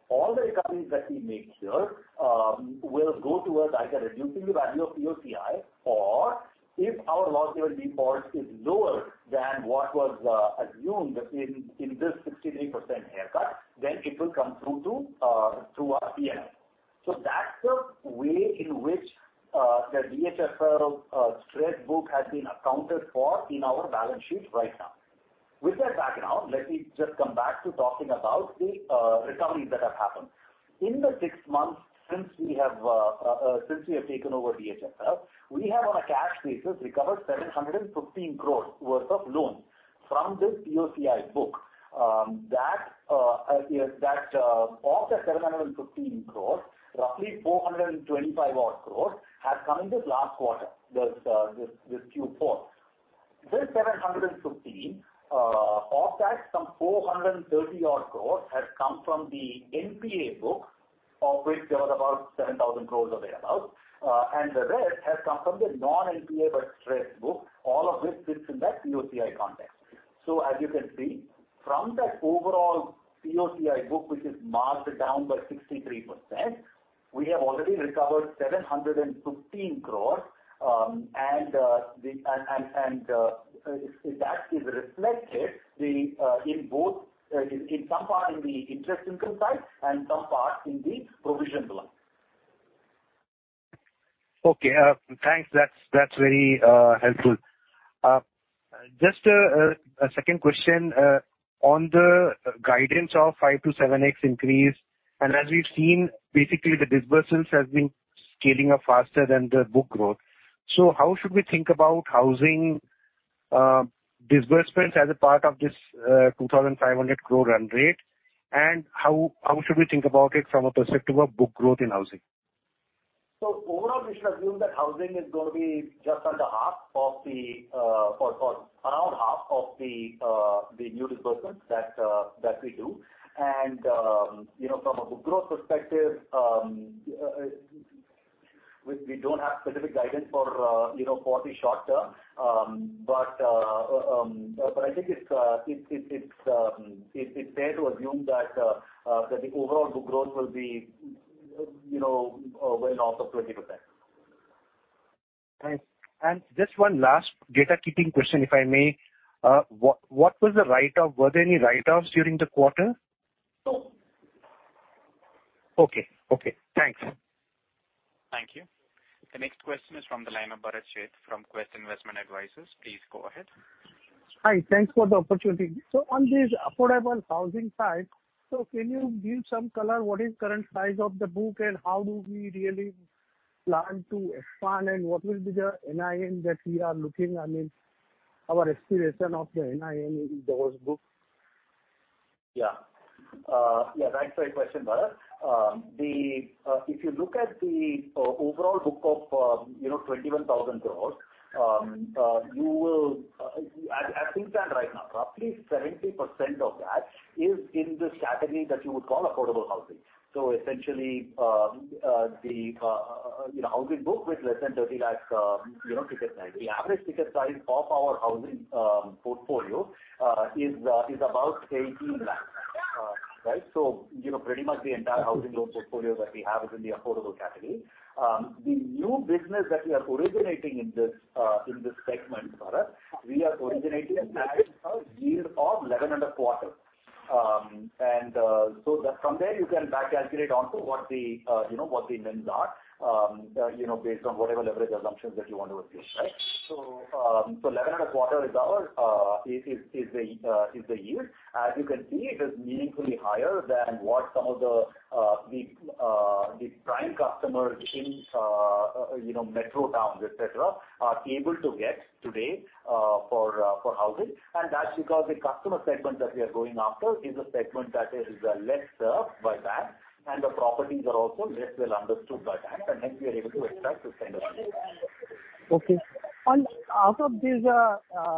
All the recoveries that we make here will go towards either reducing the value of POCI or if our loss given default is lower than what was assumed in this 63% haircut, then it will come through to our P&L. That's the way in which the DHFL stressed book has been accounted for in our balance sheet right now. With that background, let me just come back to talking about the recoveries that have happened. In the six months since we have taken over DHFL, we have on a cash basis recovered 715 crore worth of loans from this POCI book. That is, of the 715 crore, roughly 425-odd crore have come in this last quarter, this Q4. This 715 crore, of that some 430-odd crore has come from the NPA book, of which there was about 7,000 crore available, and the rest has come from the non-NPA but stressed book. All of this sits in that POCI context. As you can see from that overall POCI book, which is marked down by 63%, we have already recovered 715 crores. That is reflected in both, in some part in the interest income side and some part in the provision book. Okay. Thanks. That's very helpful. Just a second question on the guidance of 5x-7x increase, as we've seen, basically the disbursements has been scaling up faster than the book growth. How should we think about housing disbursements as a part of this 2,500 crore run rate? How should we think about it from a perspective of book growth in housing? Overall, we should assume that housing is going to be just under half of the for around half of the new disbursements that we do. You know, from a book growth perspective, we don't have specific guidance for, you know, for the short term. I think it's fair to assume that the overall book growth will be, you know, well north of 20%. Thanks. Just one last housekeeping question, if I may. What was the write-off? Were there any write-offs during the quarter? No. Okay. Thanks. Thank you. The next question is from the line of Bharat Sheth from Quest Investment Advisors. Please go ahead. Hi. Thanks for the opportunity. On this affordable housing side, so can you give some color, what is current size of the book and how do we really plan to expand and what will be the NIM that we are looking, I mean, our aspiration of the NIM in those books? Yeah, that's a right question, Bharat. If you look at the overall book of, you know, 21,000 crore, as things stand right now, roughly 70% of that is in this category that you would call affordable housing. Essentially, the, you know, housing book with less than 30 lakhs, you know, ticket size. The average ticket size of our housing portfolio is about 18 lakhs. Right? You know, pretty much the entire housing loan portfolio that we have is in the affordable category. The new business that we are originating in this segment, Bharat, we are originating at a yield of 11.25%. That from there you can back calculate onto what the you know, what the NIMs are, you know, based on whatever leverage assumptions that you want to assume, right? 11.25% is our is the yield. As you can see, it is meaningfully higher than what some of the the prime customers in you know, metro towns, et cetera, are able to get today, for housing. That's because the customer segment that we are going after is a segment that is less served by banks, and the properties are also less well understood by banks, and hence we are able to extract this kind of yield. Okay. Out of these,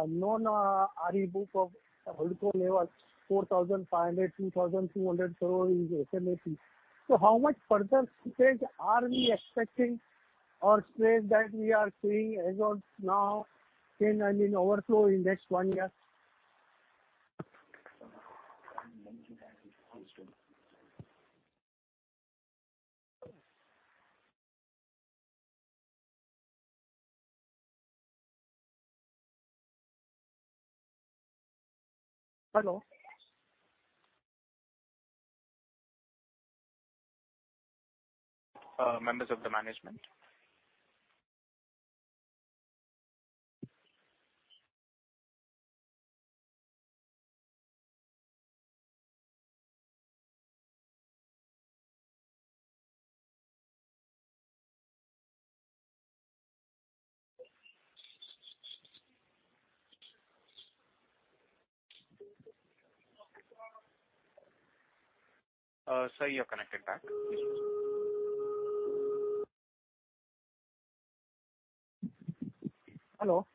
non-RE book of total level INR 4,500 crore, INR 2,200 crore is SNP. How much further stress are we expecting or stress that we are seeing as of now in, I mean, overall in next one year? Hello? Members of the management. Sir, you're connected back. Hello?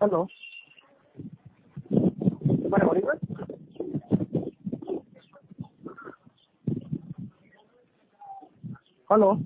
Hello? Am I audible? Hello?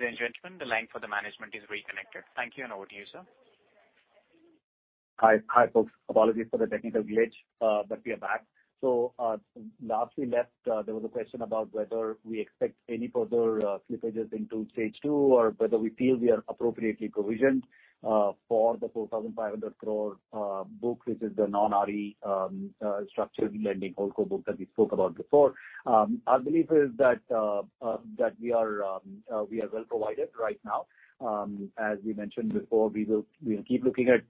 Ladies and gentlemen, the line for the management is reconnected. Thank you and over to you, sir. Hi. Hi, folks. Apologies for the technical glitch, but we are back. Last we left, there was a question about whether we expect any further slippages into Stage 2 or whether we feel we are appropriately provisioned for the 4,500 crore book, which is the non-RE structured lending wholesale core book that we spoke about before. Our belief is that we are well provided right now. As we mentioned before, we will, we'll keep looking at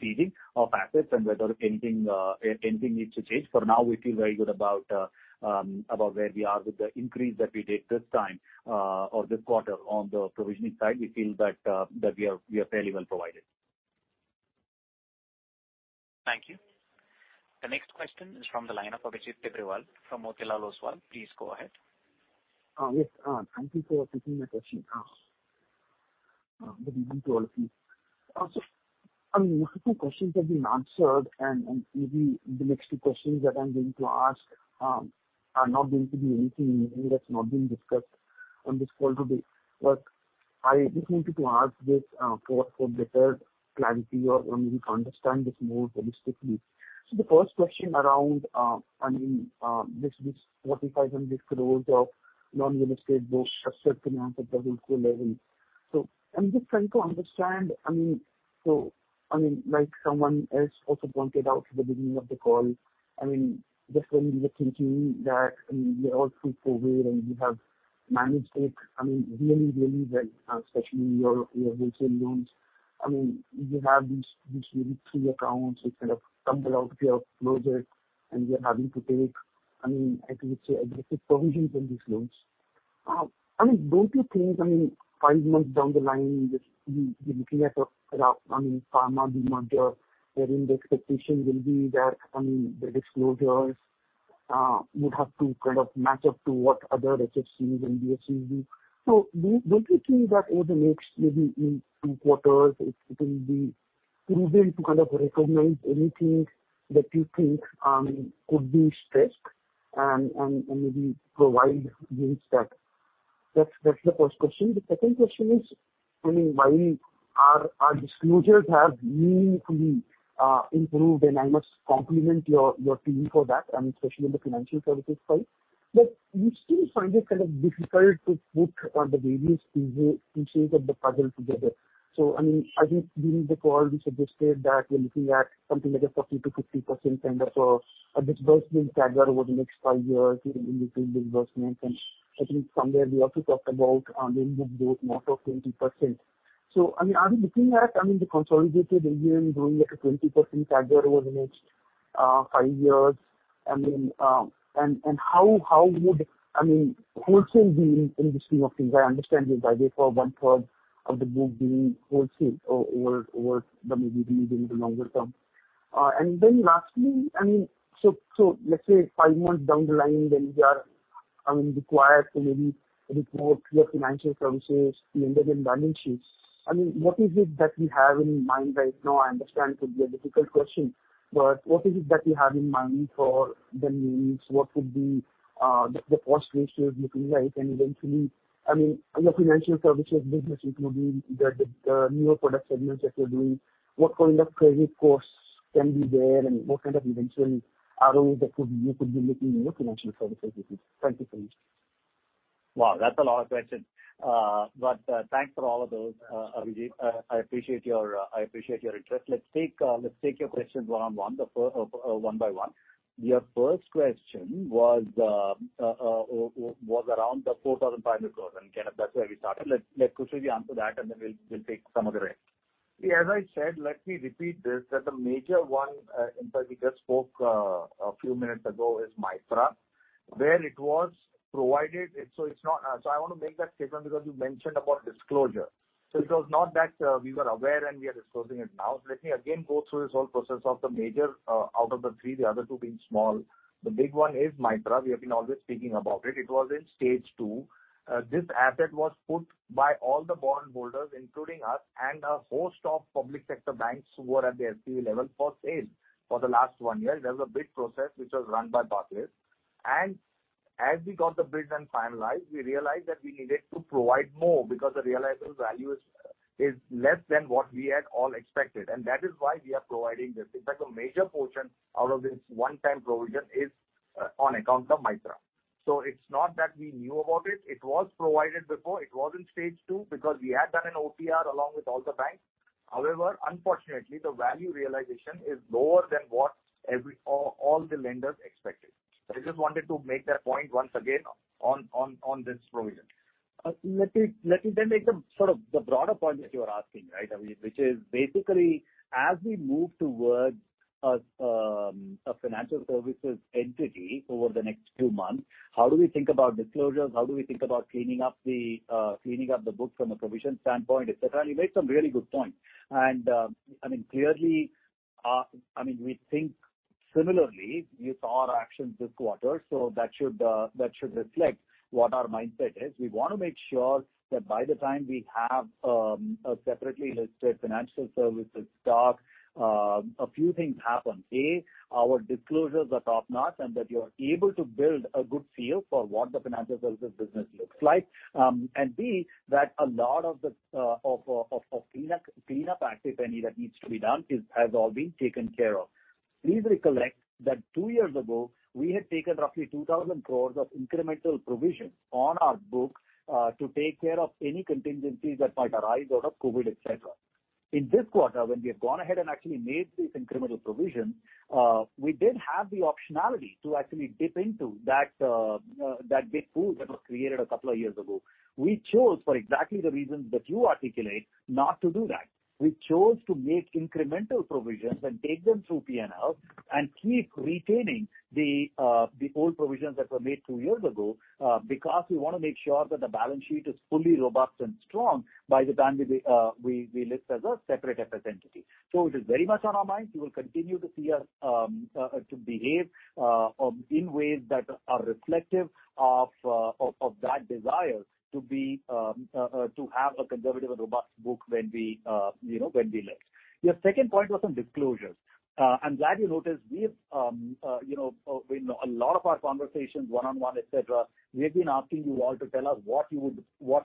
ceding of assets and whether anything needs to change. For now, we feel very good about where we are with the increase that we take this time, or this quarter on the provisioning side. We feel that we are fairly well provided. Thank you. The next question is from the line of Abhijit Tibrewal from Motilal Oswal. Please go ahead. Yes, thank you for taking my question. Good evening to all of you. Also, I mean, multiple questions have been answered and maybe the next two questions that I'm going to ask are not going to be anything new that's not been discussed on this call today. I just wanted to ask this, for better clarity or maybe to understand this more holistically. The first question around, I mean, this 4,500 crores of non-real estate book structured finance at the holdco level. I'm just trying to understand, I mean, like someone else also pointed out at the beginning of the call, I mean, just when we were thinking that, I mean, we are fully covered and you have managed it, I mean, really, really well, especially your wholesale loans. I mean, you have these really three accounts, which kind of tumble out of your portfolio and you're having to take, I mean, I could say, aggressive provisions on these loans. I mean, don't you think, I mean, five months down the line, we're looking at a, I mean, pharma demerger wherein the expectation will be that, I mean, the disclosures would have to kind of match up to what other HFCs and NBFCs do. Don't you think that over the next maybe two quarters it will be prudent to kind of recognize anything that you think could be stressed and maybe provide against that? That's the first question. The second question is, I mean, while our disclosures have meaningfully improved, and I must compliment your team for that, I mean, especially on the financial services side. We still find it kind of difficult to put the various pieces of the puzzle together. I mean, I think during the call you suggested that you're looking at something like a 40%-50% kind of a disbursement CAGR over the next five years in between disbursements. I think somewhere we also talked about the 20% book north of 20%. I mean, are we looking at, I mean, the consolidated AUM growing at a 20% CAGR over the next five years? I mean, and how would, I mean, wholesale be in this scheme of things? I understand your driver for 1/3 of the book being wholesale over the maybe medium to longer term. Then lastly, I mean, so let's say five months down the line when we are, I mean, required to maybe report your financial services lending and balance sheets. I mean, what is it that we have in mind right now? I understand it could be a difficult question, but what is it that you have in mind for the NIMs? What would be the cost ratios looking like? Eventually, I mean, your financial services business, including the newer product segments that you're doing, what kind of credit costs can be there and what kind of eventual ROE that you could be looking in your financial services business. Thank you so much. Wow, that's a lot of questions. Thanks for all of those, Abhijit. I appreciate your interest. Let's take your questions one by one. Your first question was around the 4,500 crores and, you know, that's where we started. Let Khushru answer that, and then we'll take some of the rest. Yeah, as I said, let me repeat this, that the major one, in fact, we just spoke, a few minutes ago is Mytrah. I wanna make that statement because you mentioned about disclosure. It was not that, we were aware and we are disclosing it now. Let me again go through this whole process of the major, out of the three, the other two being small. The big one is Mytrah. We have been always speaking about it. It was in Stage 2. This asset was put by all the bondholders, including us and a host of public sector banks who were at the SPV level for sale for the last one year. There was a bid process which was run by Deloitte. As we got the bids and finalized, we realized that we needed to provide more because the realizable value is less than what we had all expected. That is why we are providing this. In fact, a major portion out of this one-time provision is on account of Mytrah. It's not that we knew about it. It was provided before. It was in Stage 2 because we had done an OTR along with all the banks. However, unfortunately, the value realization is lower than what all the lenders expected. I just wanted to make that point once again on this provision. Let me then make the sort of the broader point that you are asking, right, Abhijit, which is basically, as we move towards a financial services entity over the next two months, how do we think about disclosures? How do we think about cleaning up the book from a provision standpoint, etc.? You made some really good points. I mean, clearly, I mean, we think similarly. You saw our actions this quarter, so that should reflect what our mindset is. We wanna make sure that by the time we have a separately listed financial services stock, a few things happen. A, our disclosures are top-notch and that you're able to build a good feel for what the financial services business looks like. That a lot of the cleanup activity that needs to be done has all been taken care of. Please recollect that two years ago, we had taken roughly 2,000 crores of incremental provisions on our book to take care of any contingencies that might arise out of COVID, etc. In this quarter, when we have gone ahead and actually made the incremental provision, we did have the optionality to actually dip into that big pool that was created a couple of years ago. We chose for exactly the reasons that you articulate not to do that. We chose to make incremental provisions and take them through P&L and keep retaining the old provisions that were made two years ago, because we wanna make sure that the balance sheet is fully robust and strong by the time we list as a separate FS entity. It is very much on our minds. You will continue to see us to behave in ways that are reflective of that desire to have a conservative and robust book when we you know when we list. Your second point was on disclosures. I'm glad you noticed. We've, you know, in a lot of our conversations one-on-one, etc., we have been asking you all to tell us what you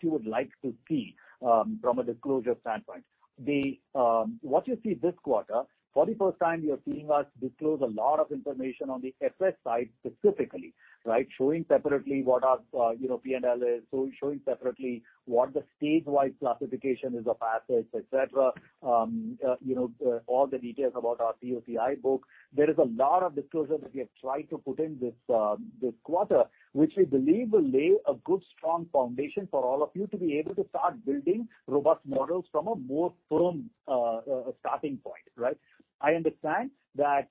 would like to see from a disclosure standpoint. What you see this quarter, for the first time you're seeing us disclose a lot of information on the FS side specifically, right? Showing separately what our P&L is, showing separately what the stage-wise classification is of assets, etc. All the details about our POCI book. There is a lot of disclosure that we have tried to put in this quarter, which we believe will lay a good, strong foundation for all of you to be able to start building robust models from a more firm starting point, right? I understand that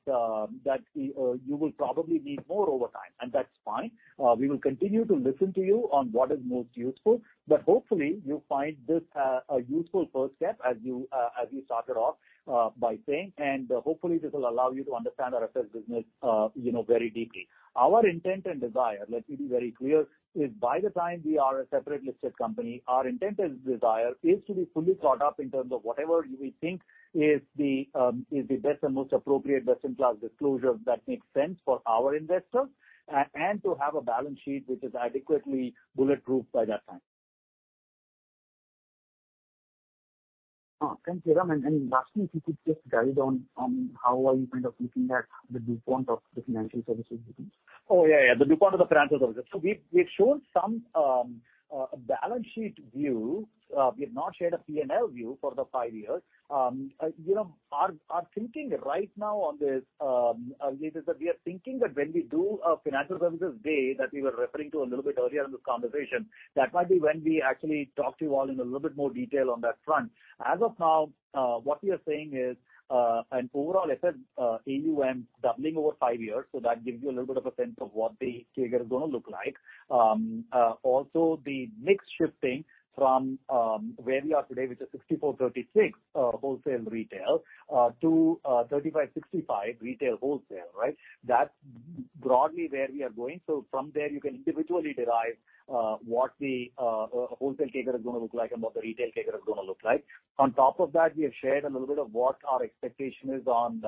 you will probably need more over time, and that's fine. We will continue to listen to you on what is most useful, but hopefully you find this a useful first step as you started off by saying, and hopefully this will allow you to understand our FS business, you know, very deeply. Our intent and desire, let me be very clear, is by the time we are a separate listed company, our intent and desire is to be fully caught up in terms of whatever we think is the best and most appropriate best-in-class disclosure that makes sense for our investors and to have a balance sheet which is adequately bulletproof by that time. Oh, thank you, Ram. Lastly, if you could just guide on how are you kind of looking at the DuPont of the financial services business? The DuPont of the financial services. We've shown some balance sheet view. We have not shared a P&L view for the five years. You know, our thinking right now on this, Abhijit, is that we are thinking that when we do a financial services day that we were referring to a little bit earlier in this conversation, that might be when we actually talk to you all in a little bit more detail on that front. As of now, what we are saying is an overall FS AUM doubling over five years. That gives you a little bit of a sense of what the figure is gonna look like. Also the mix shifting from where we are today, which is 64-36 wholesale-retail to 35-65 retail-wholesale, right? That's broadly where we are going. From there you can individually derive what the wholesale figure is gonna look like and what the retail figure is gonna look like. On top of that, we have shared a little bit of what our expectation is on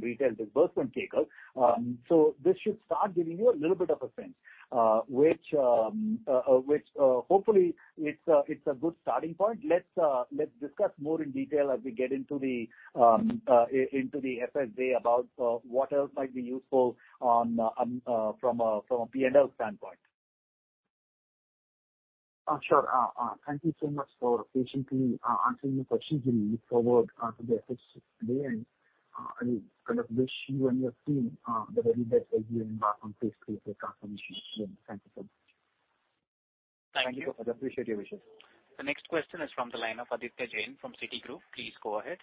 retail disbursement figures. This should start giving you a little bit of a sense, which hopefully it's a good starting point. Let's discuss more in detail as we get into the FS day about what else might be useful from a P&L standpoint. Sure. Thank you so much for patiently answering the questions we forward to the FS team. I kind of wish you and your team the very best as you embark on this transformation. Thank you so much. Thank you. Thank you. Appreciate your wishes. The next question is from the line of Aditya Jain from Citigroup. Please go ahead.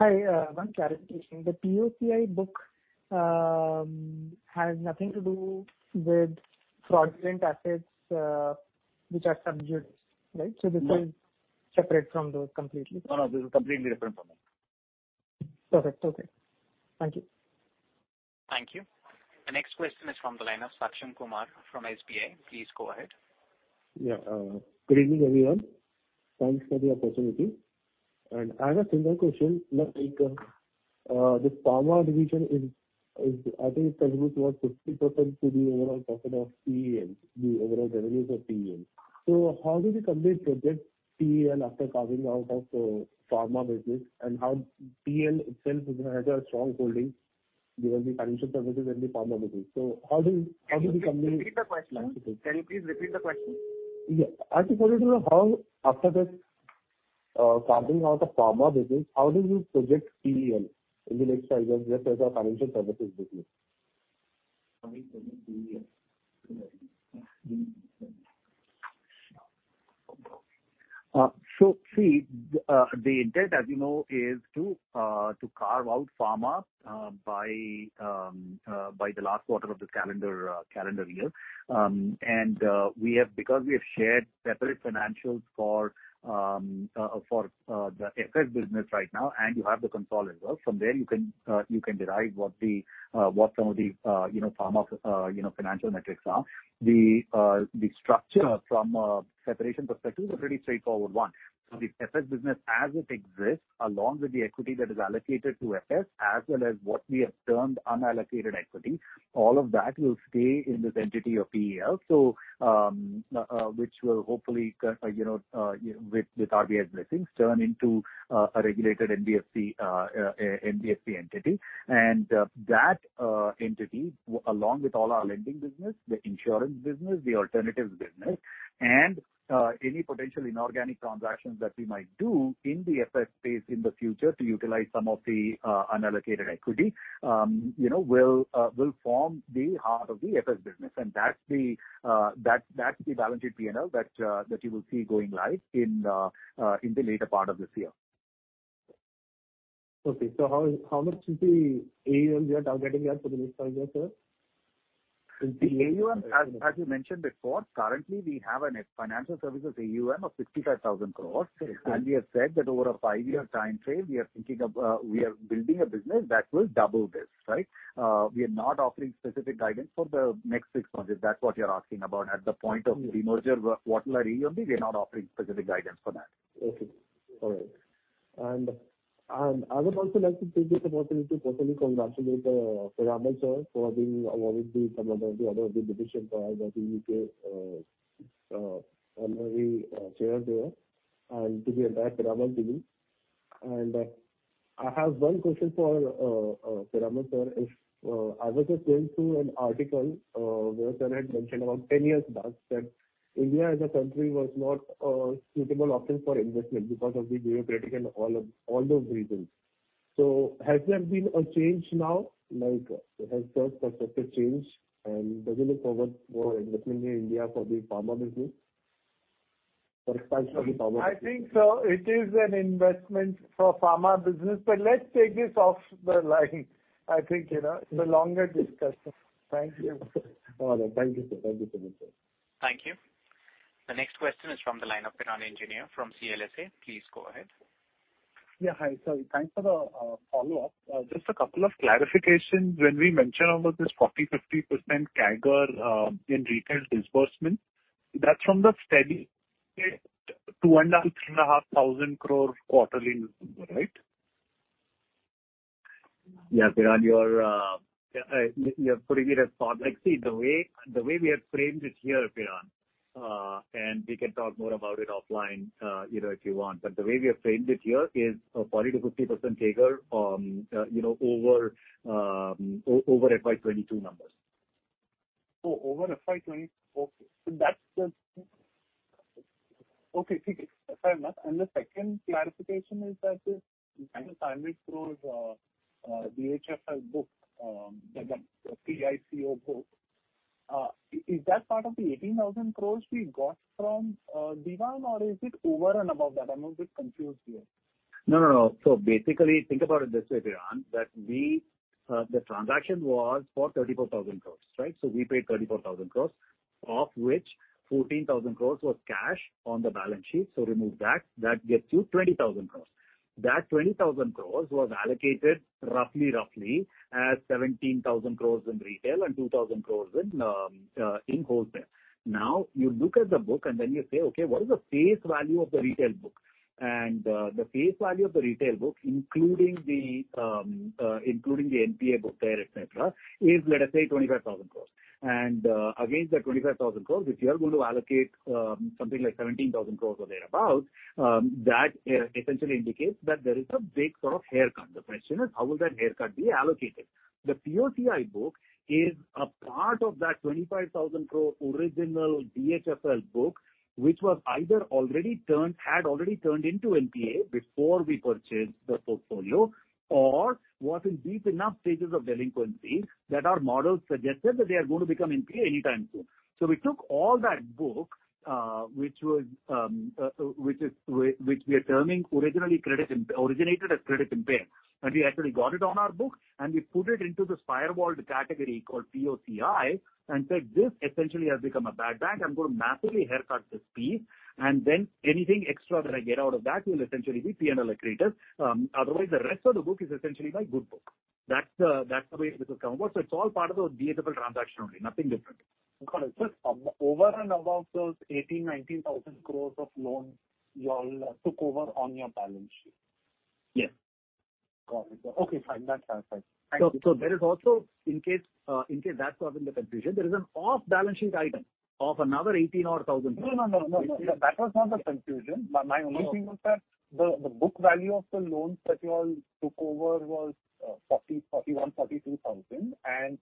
Hi. One clarification. The POCI book has nothing to do with fraudulent assets, which are sub judice, right? No. This is separate from those completely. No, no. This is completely different from that. Perfect. Okay. Thank you. Thank you. The next question is from the line of Saksham Kumar from SBI. Please go ahead. Yeah. Good evening, everyone. Thanks for the opportunity. I have a similar question, like, this pharma division is. I think it contributes about 50% to the overall profit of PEL, the overall revenues of PEL. How do we complete project PEL after carving out of pharma business and how PEL itself has a strong holding because the financial services and the pharma business. How do we complete- Can you please repeat the question? Yeah. I just wanted to know how after this, carving out the pharma business, how do you project PEL in the next five years just as a financial services business? The intent, as you know, is to carve out pharma by the last quarter of this calendar year. We have shared separate financials for the FS business right now, and you have the consolidated. From there you can derive what some of the, you know, pharma, you know, financial metrics are. The structure from a separation perspective is a pretty straightforward one. The FS business as it exists, along with the equity that is allocated to FS, as well as what we have termed unallocated equity, all of that will stay in this entity of PEL. which will hopefully, you know, with RBI's blessings, turn into a regulated NBFC entity. That entity, along with all our lending business, the insurance business, the alternatives business, and any potential inorganic transactions that we might do in the FS space in the future to utilize some of the unallocated equity, you know, will form the heart of the FS business. That's the balanced P&L that you will see going live in the later part of this year. How much is the AUM you are targeting here for the next five years, sir? The AUM, as we mentioned before, currently we have a financial services AUM of 65,000 crore. Correct. We have said that over a five-year time frame, we are thinking of, we are building a business that will double this, right? We are not offering specific guidance for the next six months, if that's what you're asking about. At the point of demerger, what will our AUM be? We're not offering specific guidance for that. Okay. All right. I would also like to take this opportunity to personally congratulate Mr. Ajay Piramal for being awarded a UK honorary chair there and to the entire Piramal team. I have one question for Mr. Ajay Piramal. I was just going through an article where Mr. Ajay Piramal had mentioned about 10 years back that India as a country was not a suitable option for investment because of the bureaucratic and all those reasons. Has there been a change now? Like, has Mr. Ajay Piramal's perspective changed? Does he look forward for investment in India for the pharma business? For expansion of the pharma business. I think so. It is an investment for pharma business. Let's take this off the line. I think, you know, it's a longer discussion. Thank you. All right. Thank you, sir. Thank you so much, sir. Thank you. The next question is from the line of Piran Engineer from CLSA. Please go ahead. Hi, sir. Thanks for the follow-up. Just a couple of clarifications. When we mention about this 40%-50% CAGR in retail disbursement, that's from the steady state, INR 2,500-INR 3,500 crore quarterly number, right? Yeah. Piran, you're putting it as. See, the way we have framed it here, Piran, and we can talk more about it offline, you know, if you want. The way we have framed it here is a 40%-50% CAGR, you know, over FY 2022 numbers. The second clarification is that the kind of time it grows the DHFL book, the POCI book, is that part of the 18,000 crore we got from DHFL, or is it over and above that? I'm a bit confused here. No, no. Basically, think about it this way, Piran, that we, the transaction was for 34,000 crore, right? We paid 34,000 crore, of which 14,000 crore was cash on the balance sheet. Remove that. That gets you 20,000 crore. That 20,000 crore was allocated roughly as 17,000 crore in retail and 2,000 crore in wholesale. Now, you look at the book and then you say, "Okay, what is the face value of the retail book?" And the face value of the retail book, including the NPA book there, et cetera, is, let us say, 25,000 crore. Against that 25,000 crore, if you are going to allocate something like 17,000 crore or thereabout, that essentially indicates that there is a big sort of haircut. The question is, how will that haircut be allocated? The POCI book is a part of that 25,000 crore original DHFL book, which was either had already turned into NPA before we purchased the portfolio or was in deep enough stages of delinquency that our models suggested that they are going to become NPA anytime soon. We took all that book, which we are terming originated as credit impaired, and we actually got it on our book, and we put it into this firewalled category called POCI and said, "This essentially has become a bad bank. I'm going to massively haircut this piece, and then anything extra that I get out of that will essentially be P&L accretive. Otherwise, the rest of the book is essentially my good book. That's the way this has come about. It's all part of the DHFL transaction only. Nothing different. Got it. Just over and above those 18,000 crore-19,000 crore of loans you all took over on your balance sheet. Yes. Got it. Okay, fine. That's fine. Thank you. there is also in case, in case that's causing the confusion, there is an off-balance sheet item of another INR 18,000-odd. No. That was not the confusion. My only thing was that the book value of the loans that you all took over was 40,000-42,000, and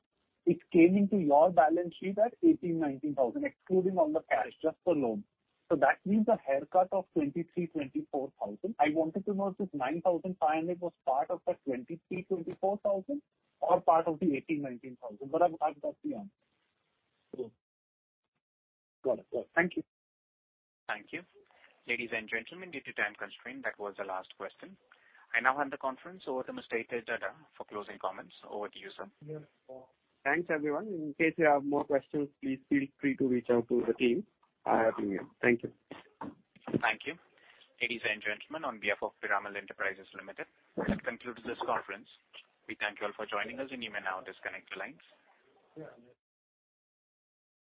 it came into your balance sheet at 18-19 thousand, excluding all the cash, just the loan. That means a haircut of 23,000-24,000. I wanted to know if 9,500 was part of the 23,000-24,000 or part of the 18,000-19,000, but I've got the answer. Got it. Thank you. Thank you. Ladies and gentlemen, due to time constraint, that was the last question. I now hand the conference over to Mr. Hitesh Dhaddha for closing comments. Over to you, sir. Yes. Thanks, everyone. In case you have more questions, please feel free to reach out to the team. I am here. Thank you. Thank you. Ladies and gentlemen, on behalf of Piramal Enterprises Limited, that concludes this conference. We thank you all for joining us, and you may now disconnect your lines. Yeah.